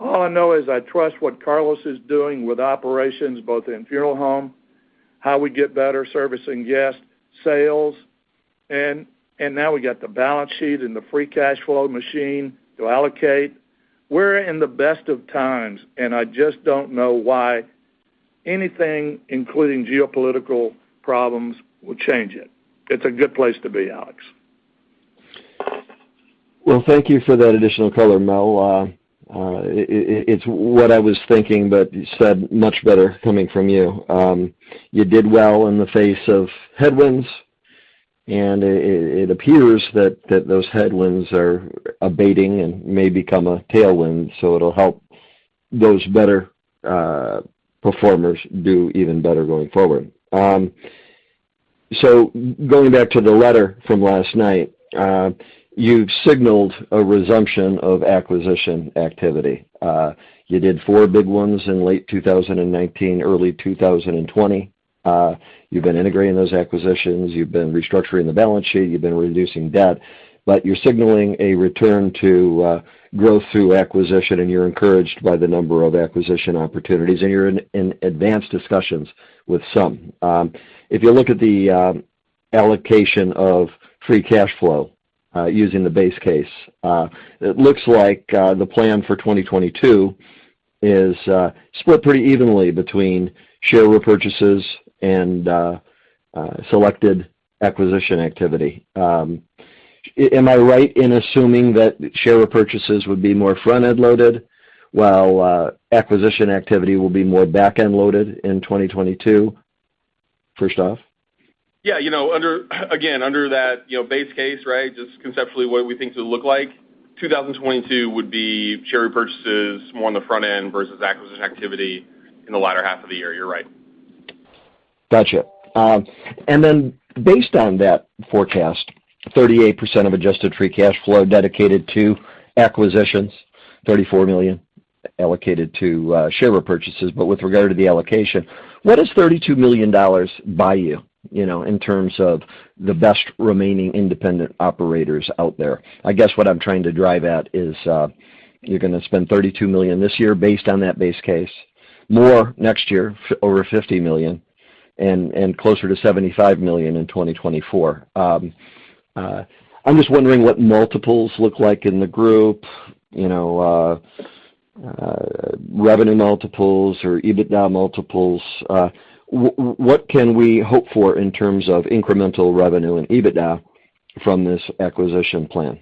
Speaker 3: All I know is I trust what Carlos is doing with operations, both in funeral home, how we get better servicing guests, sales, and now we got the balance sheet and the free cash flow machine to allocate. We're in the best of times, and I just don't know why anything, including geopolitical problems, will change it. It's a good place to be, Alex.
Speaker 6: Well, thank you for that additional color, Mel. It’s what I was thinking, but said much better coming from you. You did well in the face of headwinds, and it appears that those headwinds are abating and may become a tailwind, so it’ll help those better performers do even better going forward. Going back to the letter from last night, you’ve signaled a resumption of acquisition activity. You did four big ones in late 2019, early 2020. You’ve been integrating those acquisitions. You’ve been restructuring the balance sheet. You’ve been reducing debt, but you’re signaling a return to growth through acquisition, and you’re encouraged by the number of acquisition opportunities, and you’re in advanced discussions with some. If you look at the allocation of free cash flow, using the base case, it looks like the plan for 2022 is split pretty evenly between share repurchases and selected acquisition activity. Am I right in assuming that share repurchases would be more front-end loaded while acquisition activity will be more back-end loaded in 2022, first off?
Speaker 2: Yeah. You know, again, under that, you know, base case, right, just conceptually what we think it'll look like, 2022 would be share repurchases more on the front end versus acquisition activity in the latter half of the year. You're right.
Speaker 6: Gotcha. Based on that forecast, 38% of adjusted free cash flow dedicated to acquisitions, $34 million allocated to share repurchases. With regard to the allocation, what does $32 million buy you know, in terms of the best remaining independent operators out there? I guess what I'm trying to drive at is, you're gonna spend $32 million this year based on that base case. More next year, over $50 million, and closer to $75 million in 2024. I'm just wondering what multiples look like in the group, you know, revenue multiples or EBITDA multiples. What can we hope for in terms of incremental revenue and EBITDA from this acquisition plan?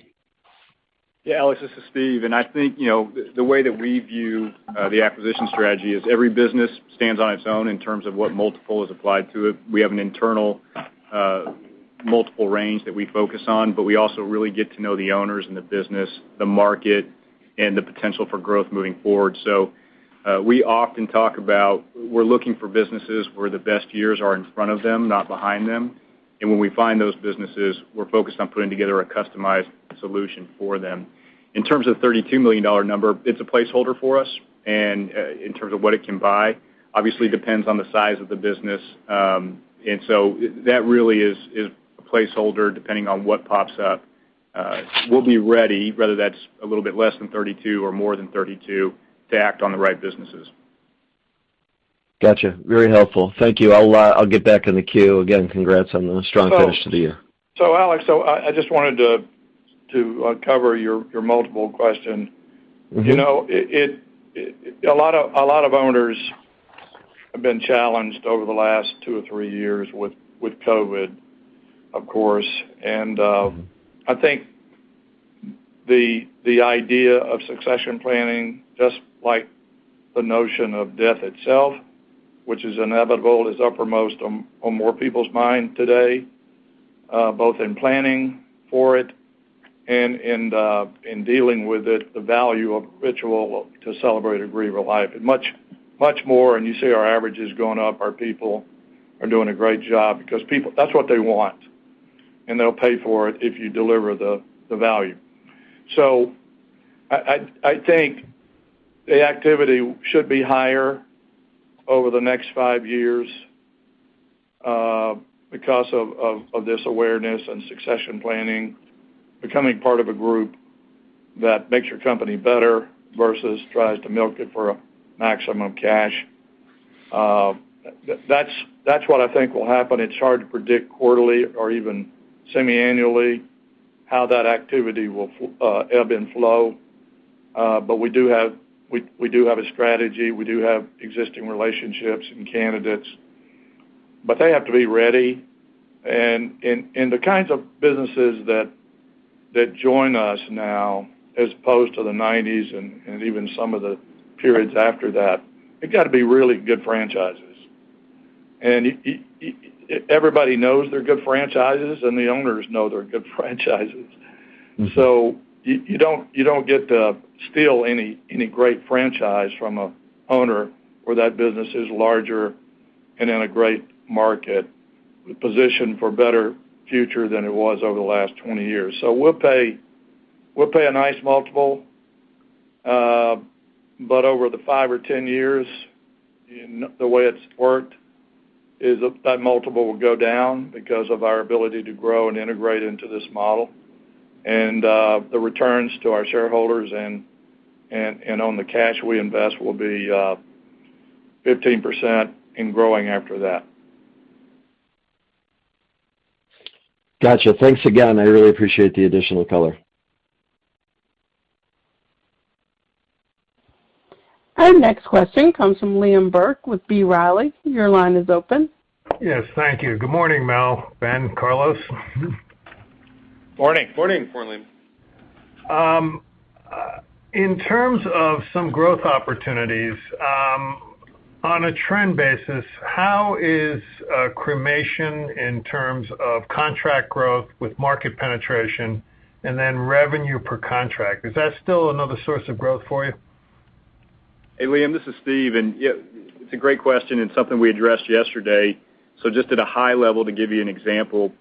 Speaker 2: Yeah, Alex, this is Steve. I think, you know, the way that we view the acquisition strategy is every business stands on its own in terms of what multiple is applied to it. We have an internal multiple range that we focus on, but we also really get to know the owners and the business, the market, and the potential for growth moving forward. We often talk about we're looking for businesses where the best years are in front of them, not behind them. When we find those businesses, we're focused on putting together a customized solution for them. In terms of $32 million number, it's a placeholder for us and in terms of what it can buy, obviously depends on the size of the business. That really is a placeholder depending on what pops up. We'll be ready, whether that's a little bit less than $32 million or more than $32 million to act on the right businesses.
Speaker 6: Gotcha. Very helpful. Thank you. I'll get back in the queue. Again, congrats on the strong finish to the year.
Speaker 3: Alex, I just wanted to cover your multiple question.
Speaker 6: Mm-hmm.
Speaker 3: You know, it a lot of owners have been challenged over the last two or three years with COVID, of course. I think the idea of succession planning, just like the notion of death itself, which is inevitable, is uppermost on more people's mind today, both in planning for it and in dealing with it, the value of ritual to celebrate or grieve a life much more. You see our averages going up. Our people are doing a great job because people, that's what they want, and they'll pay for it if you deliver the value. I think the activity should be higher over the next five years because of this awareness and succession planning, becoming part of a group that makes your company better versus tries to milk it for maximum cash. That's what I think will happen. It's hard to predict quarterly or even semi-annually how that activity will ebb and flow. We do have a strategy. We do have existing relationships and candidates, but they have to be ready. The kinds of businesses that join us now as opposed to the nineties and even some of the periods after that, they've got to be really good franchises. Everybody knows they're good franchises, and the owners know they're good franchises.
Speaker 6: Mm-hmm.
Speaker 3: You don't get to steal any great franchise from a owner where that business is larger and in a great market position for better future than it was over the last 20 years. We'll pay a nice multiple. But over the five or 10 years, and the way it's worked is that multiple will go down because of our ability to grow and integrate into this model. The returns to our shareholders and on the cash we invest will be 15% and growing after that.
Speaker 6: Gotcha. Thanks again. I really appreciate the additional color.
Speaker 1: Our next question comes from Liam Burke with B. Riley. Your line is open.
Speaker 7: Yes, thank you. Good morning, Mel, Ben, Carlos.
Speaker 3: Morning.
Speaker 4: Morning.
Speaker 5: Good morning.
Speaker 7: In terms of some growth opportunities, on a trend basis, how is cremation in terms of contract growth with market penetration and then revenue per contract? Is that still another source of growth for you?
Speaker 2: Hey, Liam, this is Steve. Yeah, it's a great question and something we addressed yesterday. Just at a high level, to give you an example,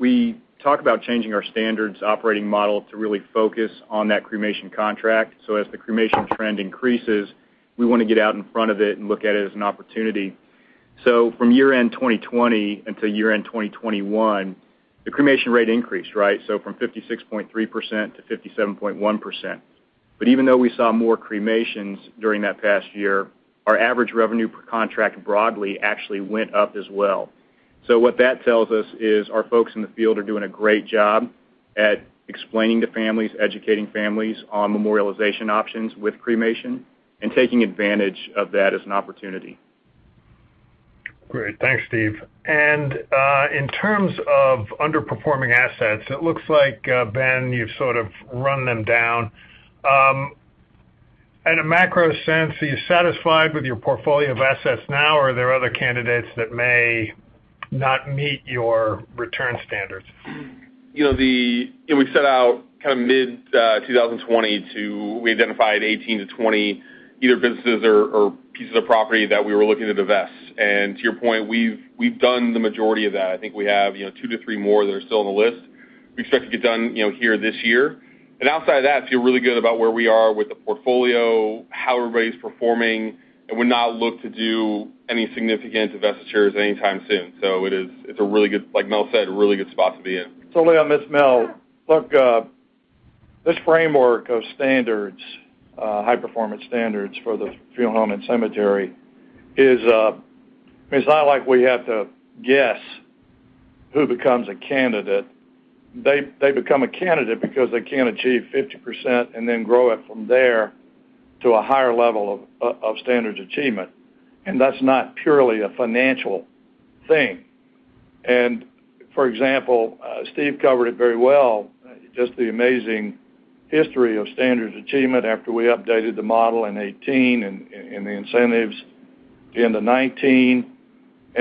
Speaker 2: we talk about changing our Standards Operating Model to really focus on that cremation contract. As the cremation trend increases, we wanna get out in front of it and look at it as an opportunity. From year-end 2020 until year-end 2021, the cremation rate increased, right? From 56.3% to 57.1%. Even though we saw more cremations during that past year, our average revenue per contract broadly actually went up as well. What that tells us is our folks in the field are doing a great job at explaining to families, educating families on memorialization options with cremation and taking advantage of that as an opportunity.
Speaker 7: Great. Thanks, Steve. In terms of underperforming assets, it looks like, Ben, you've sort of run them down. In a macro sense, are you satisfied with your portfolio of assets now, or are there other candidates that may not meet your return standards?
Speaker 5: You know, we set out kind of mid 2020. We identified 18-20 either businesses or pieces of property that we were looking to divest. To your point, we've done the majority of that. I think we have, you know, 2-3 businesses more that are still on the list. We expect to get done, you know, here this year. Outside of that, feel really good about where we are with the portfolio, how everybody's performing, and would not look to do any significant divestitures anytime soon. It's a really good, like Mel said, a really good spot to be in.
Speaker 3: Hi Liam, it's Mel. Look, this framework of standards, high performance standards for the funeral home and cemetery is, it's not like we have to guess who becomes a candidate. They become a candidate because they can't achieve 50% and then grow it from there to a higher level of standards achievement. That's not purely a financial thing. For example, Steve covered it very well, just the amazing history of standards achievement after we updated the model in 2018 and the incentives into 2019.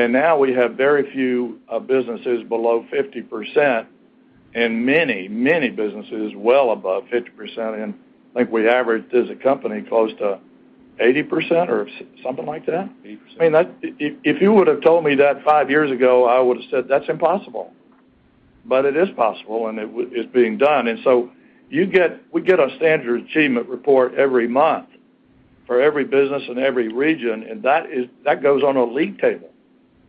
Speaker 3: Now we have very few businesses below 50% and many businesses well above 50%. I think we average as a company close to 80% or something like that.
Speaker 4: 80%.
Speaker 3: I mean, if you would have told me that five years ago, I would have said, "That's impossible." But it is possible, and it's being done. We get a standards achievement report every month for every business in every region, and that goes on a league table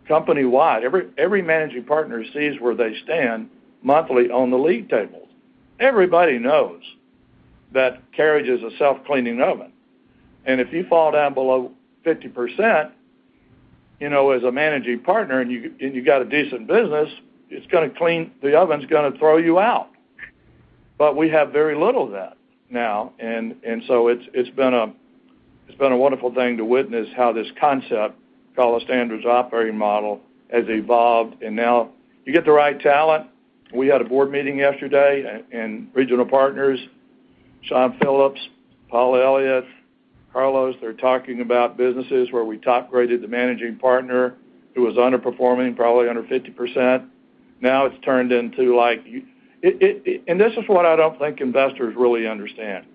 Speaker 3: company-wide. Every managing partner sees where they stand monthly on the league table. Everybody knows that Carriage is a self-cleaning oven. If you fall down below 50%, you know, as a Managing Partner, and you got a decent business, it's gonna clean. The oven's gonna throw you out. We have very little of that now. So it's been a wonderful thing to witness how this concept, call it Standards Operating Model, has evolved. Now you get the right talent. We had a board meeting yesterday, and regional partners, Shawn Phillips, Paul Elliott, Carlos, they're talking about businesses where we top graded the managing partner who was underperforming, probably under 50%. Now it's turned into, like. This is what I don't think investors really understand.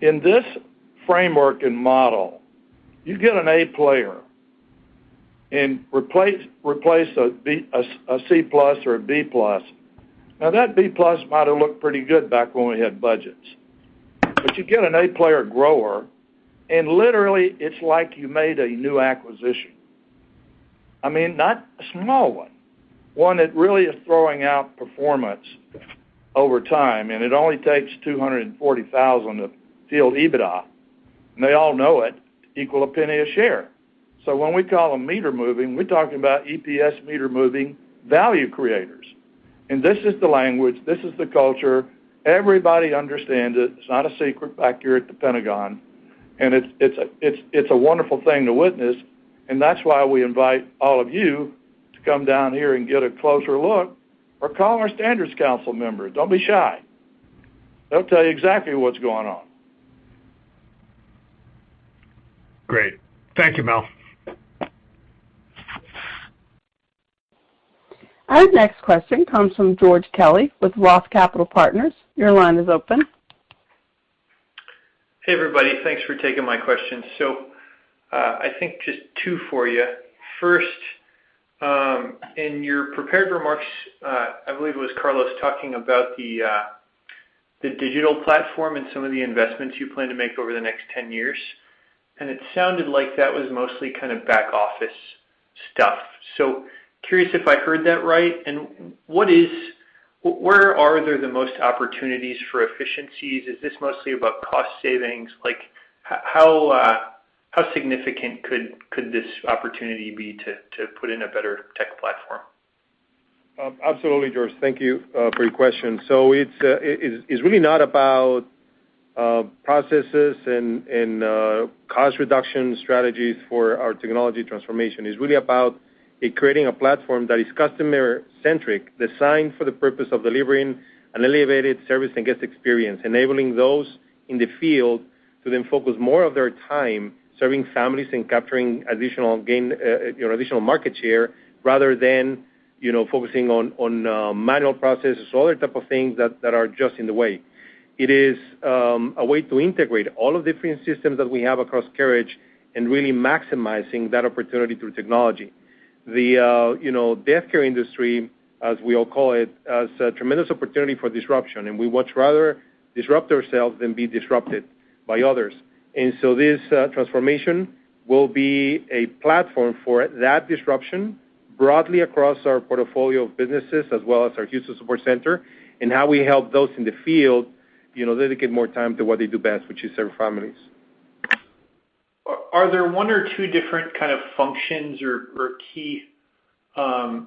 Speaker 3: In this framework and model, you get an A player and replace a C+ or a B+. Now, that B+ might've looked pretty good back when we had budgets. You get an A player grower, and literally, it's like you made a new acquisition. I mean, not a small one. One that really is throwing out performance over time, and it only takes $240,000 of field EBITDA, and they all know it, to equal a penny a share. When we call them meter moving, we're talking about EPS meter moving value creators. This is the language, this is the culture. Everybody understands it. It's not a secret back here at the Pentagon, and it's a wonderful thing to witness, and that's why we invite all of you to come down here and get a closer look or call our Standards Council members. Don't be shy. They'll tell you exactly what's going on.
Speaker 7: Great. Thank you, Mel.
Speaker 1: Our next question comes from George Kelly with Roth Capital Partners. Your line is open.
Speaker 8: Hey, everybody. Thanks for taking my question. I think just two for you. First, in your prepared remarks, I believe it was Carlos talking about the digital platform and some of the investments you plan to make over the next 10 years, and it sounded like that was mostly kind of back office stuff. Curious if I heard that right, and where are there the most opportunities for efficiencies? Is this mostly about cost savings? Like, how significant could this opportunity be to put in a better tech platform?
Speaker 4: Absolutely, George. Thank you for your question. It's really not about processes and cost reduction strategies for our technology transformation. It's really about creating a platform that is customer-centric, designed for the purpose of delivering an elevated service and guest experience, enabling those in the field to then focus more of their time serving families and capturing additional gain, you know, additional market share, rather than, you know, focusing on manual processes or other type of things that are just in the way. It is a way to integrate all of the different systems that we have across Carriage and really maximizing that opportunity through technology. The, you know, death care industry, as we all call it, has a tremendous opportunity for disruption, and we much rather disrupt ourselves than be disrupted by others. This transformation will be a platform for that disruption broadly across our portfolio of businesses as well as our Houston support center and how we help those in the field, you know, dedicate more time to what they do best, which is serve families.
Speaker 8: Are there one or two different kind of functions or key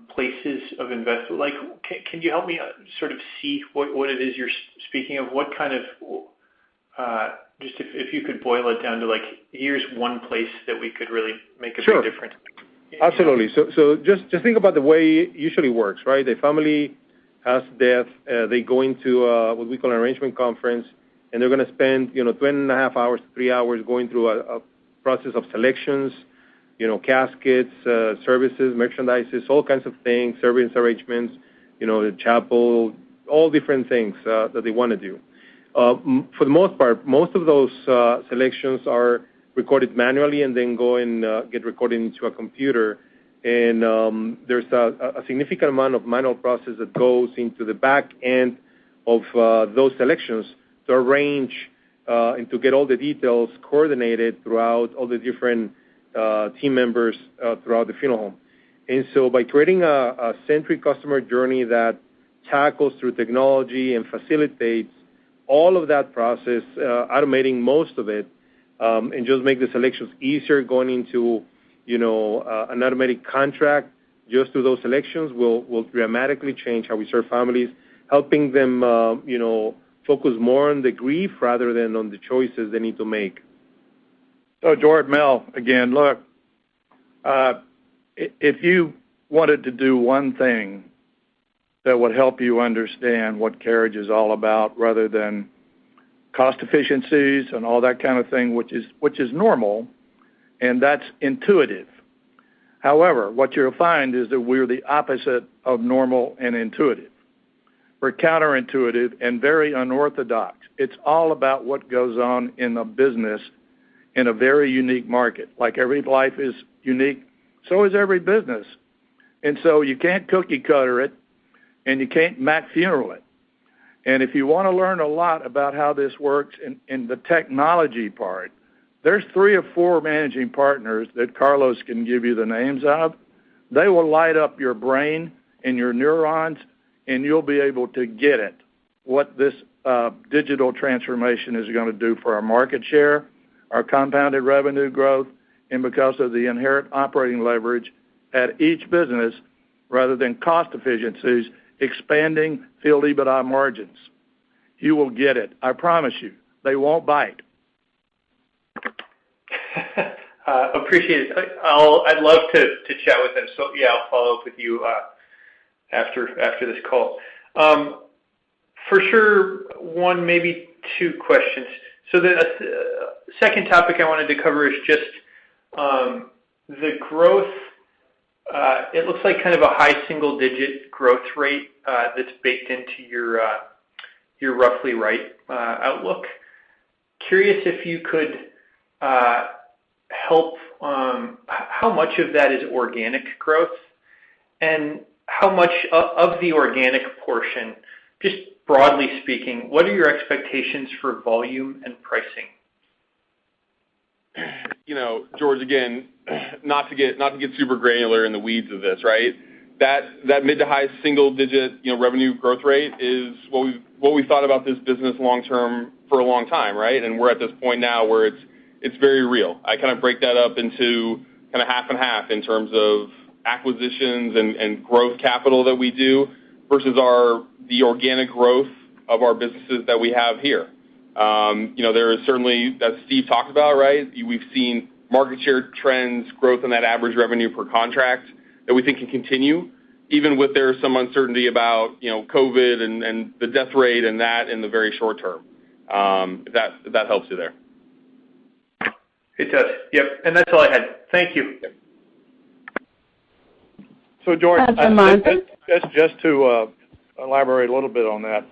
Speaker 8: places of investment—like, can you help me sort of see what it is you're speaking of? What kind of, just if you could boil it down to, like, here's one place that we could really make a big difference.
Speaker 4: Sure. Absolutely. Just think about the way it usually works, right? A family has death. They go into what we call an arrangement conference, and they're gonna spend, you know, 2.5-3 hours going through a process of selections, you know, caskets, services, merchandises, all kinds of things, service arrangements, you know, the chapel, all different things that they wanna do. For the most part, most of those selections are recorded manually and then get recorded into a computer. There's a significant amount of manual process that goes into the back end of those selections to arrange and to get all the details coordinated throughout all the different team members throughout the funeral home. By creating a centric customer journey that tackles through technology and facilitates all of that process, automating most of it, and just make the selections easier going into, you know, an automated contract just through those selections will dramatically change how we serve families, helping them, you know, focus more on the grief rather than on the choices they need to make.
Speaker 3: George, Mel, again, look, if you wanted to do one thing that would help you understand what Carriage is all about rather than cost efficiencies and all that kind of thing, which is normal, and that's intuitive. However, what you'll find is that we're the opposite of normal and intuitive. We're counter-intuitive and very unorthodox. It's all about what goes on in a business in a very unique market. Like every life is unique, so is every business. You can't cookie-cutter it, and you can't McFuneral it. If you wanna learn a lot about how this works in the technology part, there's three or four managing partners that Carlos can give you the names of. They will light up your brain and your neurons, and you'll be able to get it, what this digital transformation is gonna do for our market share, our compounded revenue growth, and because of the inherent operating leverage at each business rather than cost efficiencies, expanding field EBITDA margins. You will get it. I promise you. They won't bite.
Speaker 8: Appreciate it. I'd love to chat with them. Yeah, I'll follow up with you after this call. For sure, one, maybe two questions. The second topic I wanted to cover is just the growth. It looks like kind of a high single digit growth rate that's baked into your roughly right outlook. I'm curious if you could help. How much of that is organic growth, and how much of the organic portion, just broadly speaking, what are your expectations for volume and pricing?
Speaker 5: You know, George, again, not to get super granular in the weeds of this, right? That mid to high-single-digit, you know, revenue growth rate is what we've thought about this business long term for a long time, right? We're at this point now where it's very real. I kind of break that up into kinda half and half in terms of acquisitions and growth capital that we do versus the organic growth of our businesses that we have here. You know, there is certainly, as Steve talked about, right, we've seen market share trends, growth in that average revenue per contract that we think can continue even with there is some uncertainty about, you know, COVID and the death rate and that in the very short term. If that helps you there.
Speaker 8: It does. Yep. That's all I had. Thank you.
Speaker 3: George
Speaker 1: As a reminder...
Speaker 3: Just to elaborate a little bit on that.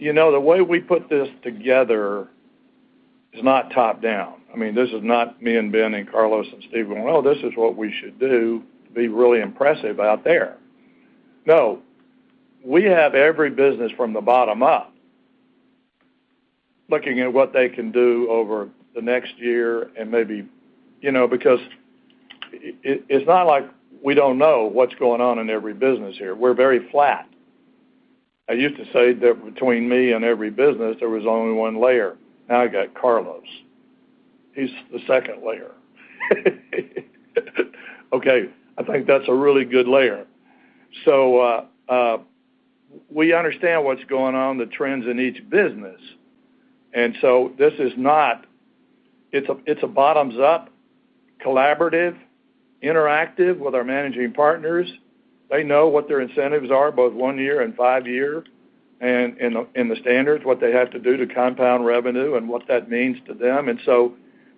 Speaker 3: You know, the way we put this together is not top-down. I mean, this is not me and Ben and Carlos and Steve going, "Well, this is what we should do to be really impressive out there." No. We have every business from the bottom up looking at what they can do over the next year and maybe. You know, because it's not like we don't know what's going on in every business here. We're very flat. I used to say that between me and every business, there was only one layer. Now I got Carlos. He's the second layer. Okay. I think that's a really good layer. So, we understand what's going on, the trends in each business. This is not. It's a bottoms-up, collaborative, interactive with our managing partners. They know what their incentives are, both one-year and five-year, and the standards, what they have to do to compound revenue and what that means to them.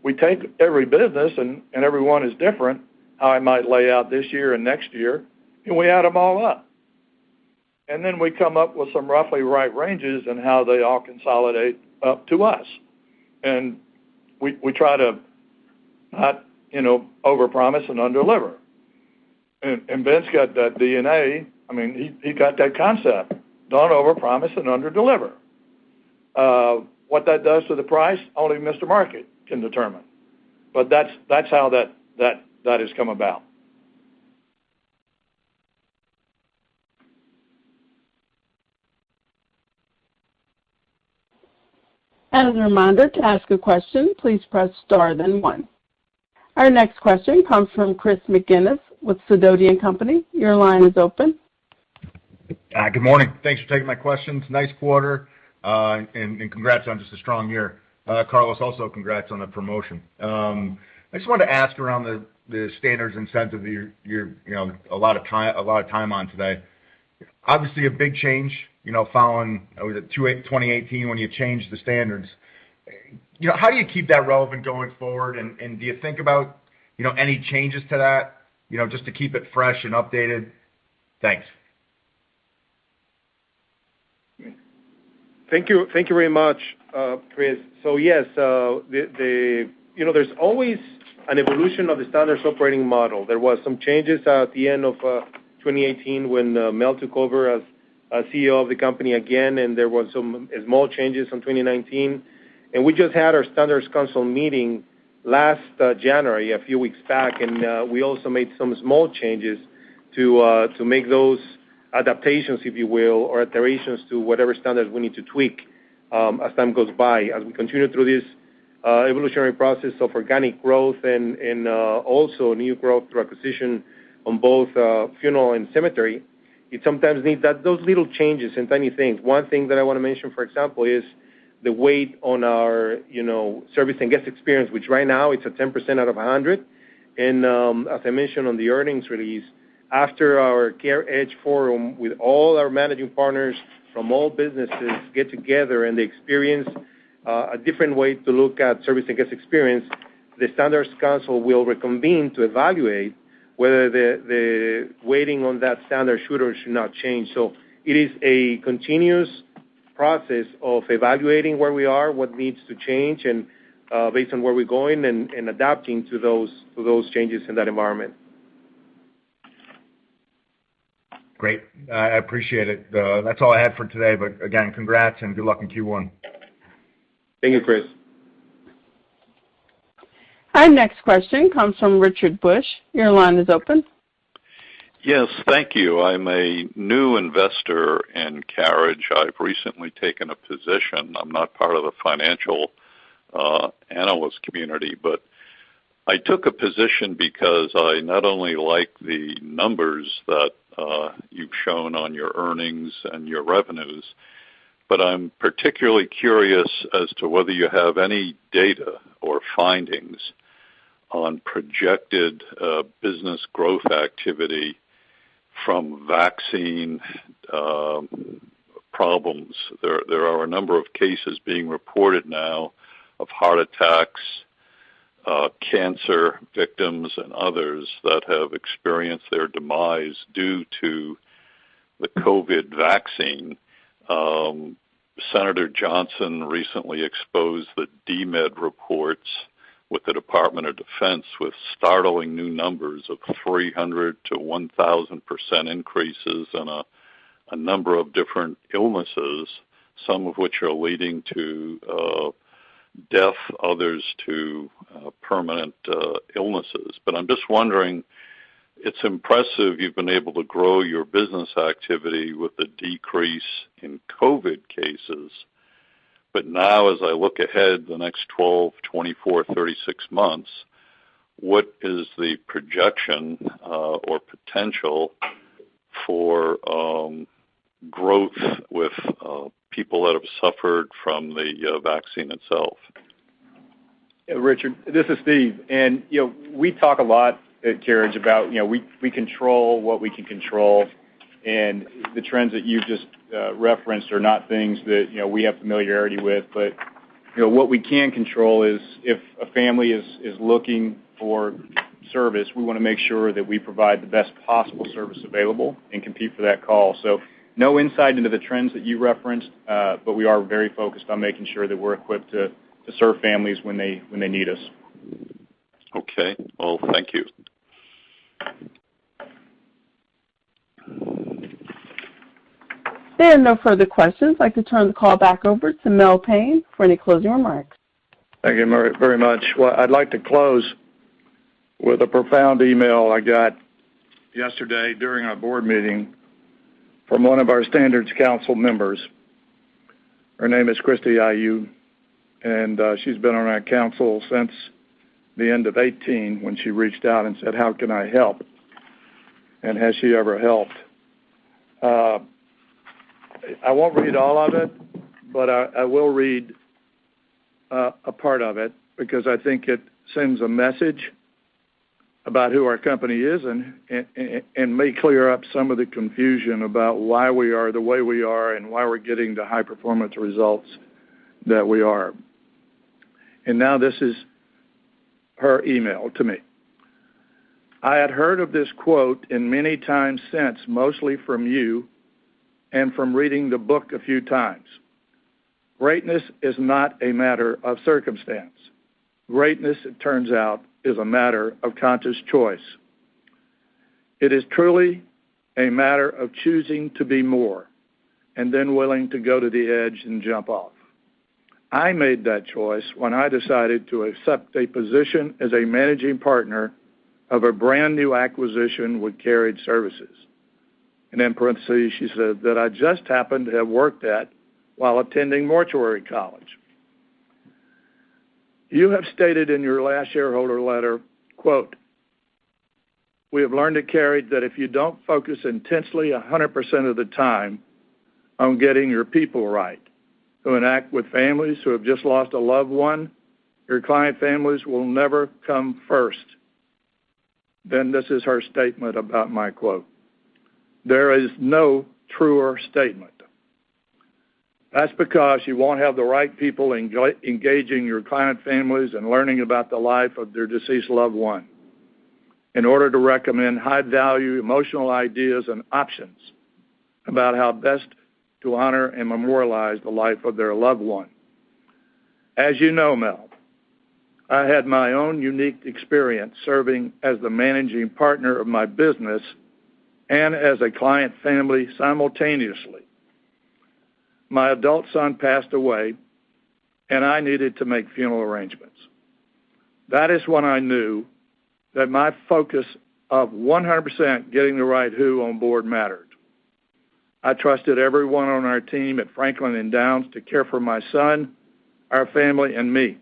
Speaker 3: We take every business, and every one is different, how I might lay out this year and next year, and we add them all up. We come up with some roughly right ranges and how they all consolidate up to us. We try to not, you know, overpromise and underdeliver. Ben's got that DNA. I mean, he got that concept. Don't overpromise and underdeliver. What that does to the price, only Mr. Market can determine. That's how that has come about.
Speaker 1: As a reminder, to ask a question, please press star then one. Our next question comes from Chris McGinnis with Sidoti & Company. Your line is open.
Speaker 9: Good morning. Thanks for taking my questions. Nice quarter, and congrats on just a strong year. Carlos, also congrats on the promotion. I just wanted to ask around the standards incentive you're, you know, a lot of time on today. Obviously a big change, you know, following what was it? 2018 when you changed the standards. You know, how do you keep that relevant going forward? Do you think about, you know, any changes to that, you know, just to keep it fresh and updated? Thanks.
Speaker 4: Thank you. Thank you very much, Chris. Yes. The you know, there's always an evolution of the Standards Operating Model. There was some changes at the end of 2018 when Mel took over as CEO of the company again, and there was some small changes in 2019. We just had our Standards Council meeting last January, a few weeks back, and we also made some small changes to make those adaptations, if you will, or alterations to whatever standards we need to tweak, as time goes by. As we continue through this evolutionary process of organic growth and also new growth through acquisition on both funeral and cemetery, you sometimes need those little changes and tiny things. One thing that I wanna mention, for example, is the weight on our, you know, service and guest experience, which right now it's a 10% out of 100%. As I mentioned on the earnings release, after our CAREdge Forum with all our managing partners from all businesses get together and they experience a different way to look at service and guest experience, the Standards Council will reconvene to evaluate whether the weighting on that standard should or should not change. It is a continuous process of evaluating where we are, what needs to change, and based on where we're going and adapting to those changes in that environment.
Speaker 9: Great. I appreciate it. That's all I had for today, but again, congrats and good luck in Q1.
Speaker 4: Thank you, Chris.
Speaker 1: Our next question comes from Richard Bush. Your line is open.
Speaker 10: Yes. Thank you. I'm a new investor in Carriage. I've recently taken a position. I'm not part of the financial analyst community, but I took a position because I not only like the numbers that you've shown on your earnings and your revenues, but I'm particularly curious as to whether you have any data or findings on projected business growth activity from vaccine problems. There are a number of cases being reported now of heart attacks, cancer victims and others that have experienced their demise due to the COVID vaccine. Senator Johnson recently exposed the DMED reports with the Department of Defense with startling new numbers of 300%-1,000% increases in a number of different illnesses, some of which are leading to death, others to permanent illnesses. I'm just wondering, it's impressive you've been able to grow your business activity with the decrease in COVID cases. Now as I look ahead the next 12, 24, 36 months, what is the projection, or potential for, growth with, people that have suffered from the, vaccine itself?
Speaker 2: Yeah, Richard, this is Steve. You know, we talk a lot at Carriage about, you know, we control what we can control, and the trends that you just referenced are not things that, you know, we have familiarity with. You know, what we can control is if a family is looking for service, we wanna make sure that we provide the best possible service available and compete for that call. No insight into the trends that you referenced, but we are very focused on making sure that we're equipped to serve families when they need us.
Speaker 10: Okay. Well, thank you.
Speaker 1: There are no further questions. I'd like to turn the call back over to Mel Payne for any closing remarks.
Speaker 3: Thank you very, very much. Well, I'd like to close with a profound email I got yesterday during our board meeting from one of our Standards Council members. Her name is Christy Aho, and she's been on our council since the end of 2018 when she reached out and said, "How can I help?" Has she ever helped. I won't read all of it, but I will read a part of it because I think it sends a message about who our company is and may clear up some of the confusion about why we are the way we are and why we're getting the high-performance results that we are. Now this is her email to me. I had heard of this quote and many times since, mostly from you and from reading the book a few times. Greatness is not a matter of circumstance. Greatness, it turns out, is a matter of conscious choice. It is truly a matter of choosing to be more and then willing to go to the edge and jump off. I made that choice when I decided to accept a position as a managing partner of a brand-new acquisition with Carriage Services. In parentheses, she said, "That I just happened to have worked at while attending mortuary college. You have stated in your last shareholder letter, quote, 'We have learned at Carriage that if you don't focus intensely 100% of the time on getting your people right, who interact with families who have just lost a loved one, your client families will never come first.'" This is her statement about my quote. "There is no truer statement. That's because you won't have the right people engaging your client families and learning about the life of their deceased loved one in order to recommend high-value emotional ideas and options about how best to honor and memorialize the life of their loved one. As you know, Mel, I had my own unique experience serving as the managing partner of my business and as a client family simultaneously. My adult son passed away, and I needed to make funeral arrangements. That is when I knew that my focus of 100% getting the right who on board mattered. I trusted everyone on our team at Franklin & Downs to care for my son, our family, and me.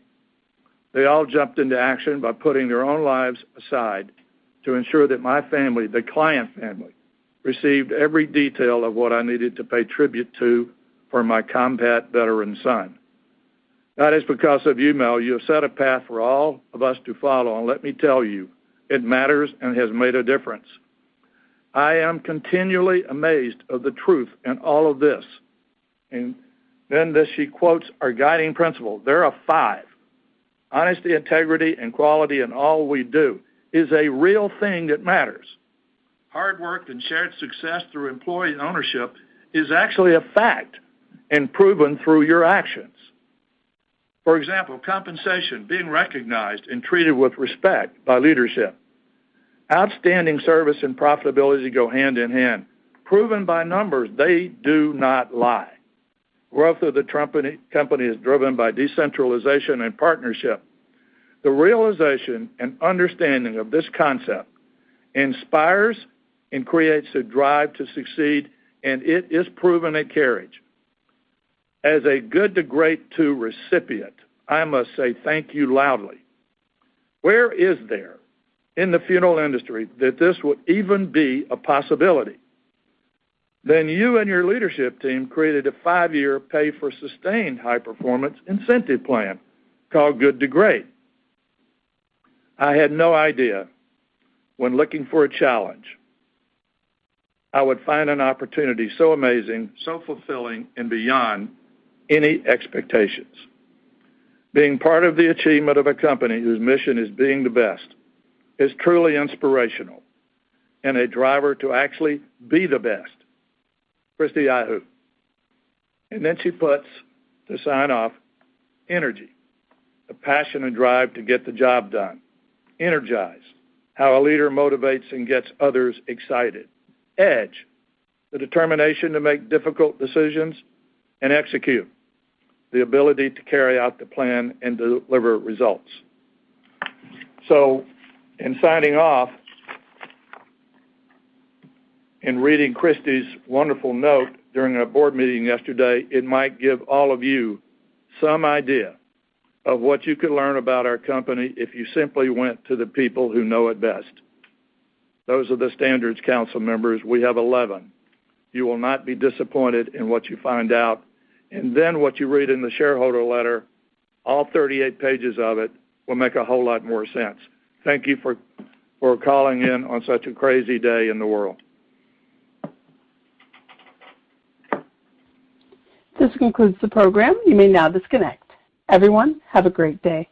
Speaker 3: They all jumped into action by putting their own lives aside to ensure that my family, the client family, received every detail of what I needed to pay tribute to for my combat veteran son. That is because of you, Mel. You have set a path for all of us to follow, and let me tell you, it matters and has made a difference. I am continually amazed of the truth in all of this. Then this, she quotes our guiding principle. There are five. "Honesty, integrity, and quality in all we do is a real thing that matters. Hard work and shared success through employee ownership is actually a fact and proven through your actions. For example, compensation, being recognized, and treated with respect by leadership. Outstanding service and profitability go hand in hand. Proven by numbers, they do not lie. Growth of the company is driven by decentralization and partnership. The realization and understanding of this concept inspires and creates a drive to succeed, and it is proven at Carriage. As a Good To Great II recipient, I must say thank you loudly. Where is there in the funeral industry that this would even be a possibility? You and your leadership team created a five-year pay for sustained high performance incentive plan called Good To Great. I had no idea when looking for a challenge, I would find an opportunity so amazing, so fulfilling, and beyond any expectations. Being part of the achievement of a company whose mission is Being the Best is truly inspirational, and a driver to actually be the best. Christy Aho. She puts the sign off, Energy, the passion and drive to get the job done. Energize, how a leader motivates and gets others excited. Edge, the determination to make difficult decisions and execute, the ability to carry out the plan and deliver results. In signing off, in reading Christy's wonderful note during our board meeting yesterday, it might give all of you some idea of what you could learn about our company if you simply went to the people who know it best. Those are the Standards Council members. We have 11. You will not be disappointed in what you find out. What you read in the shareholder letter, all 38 pages of it, will make a whole lot more sense. Thank you for calling in on such a crazy day in the world.
Speaker 1: This concludes the program. You may now disconnect. Everyone, have a great day.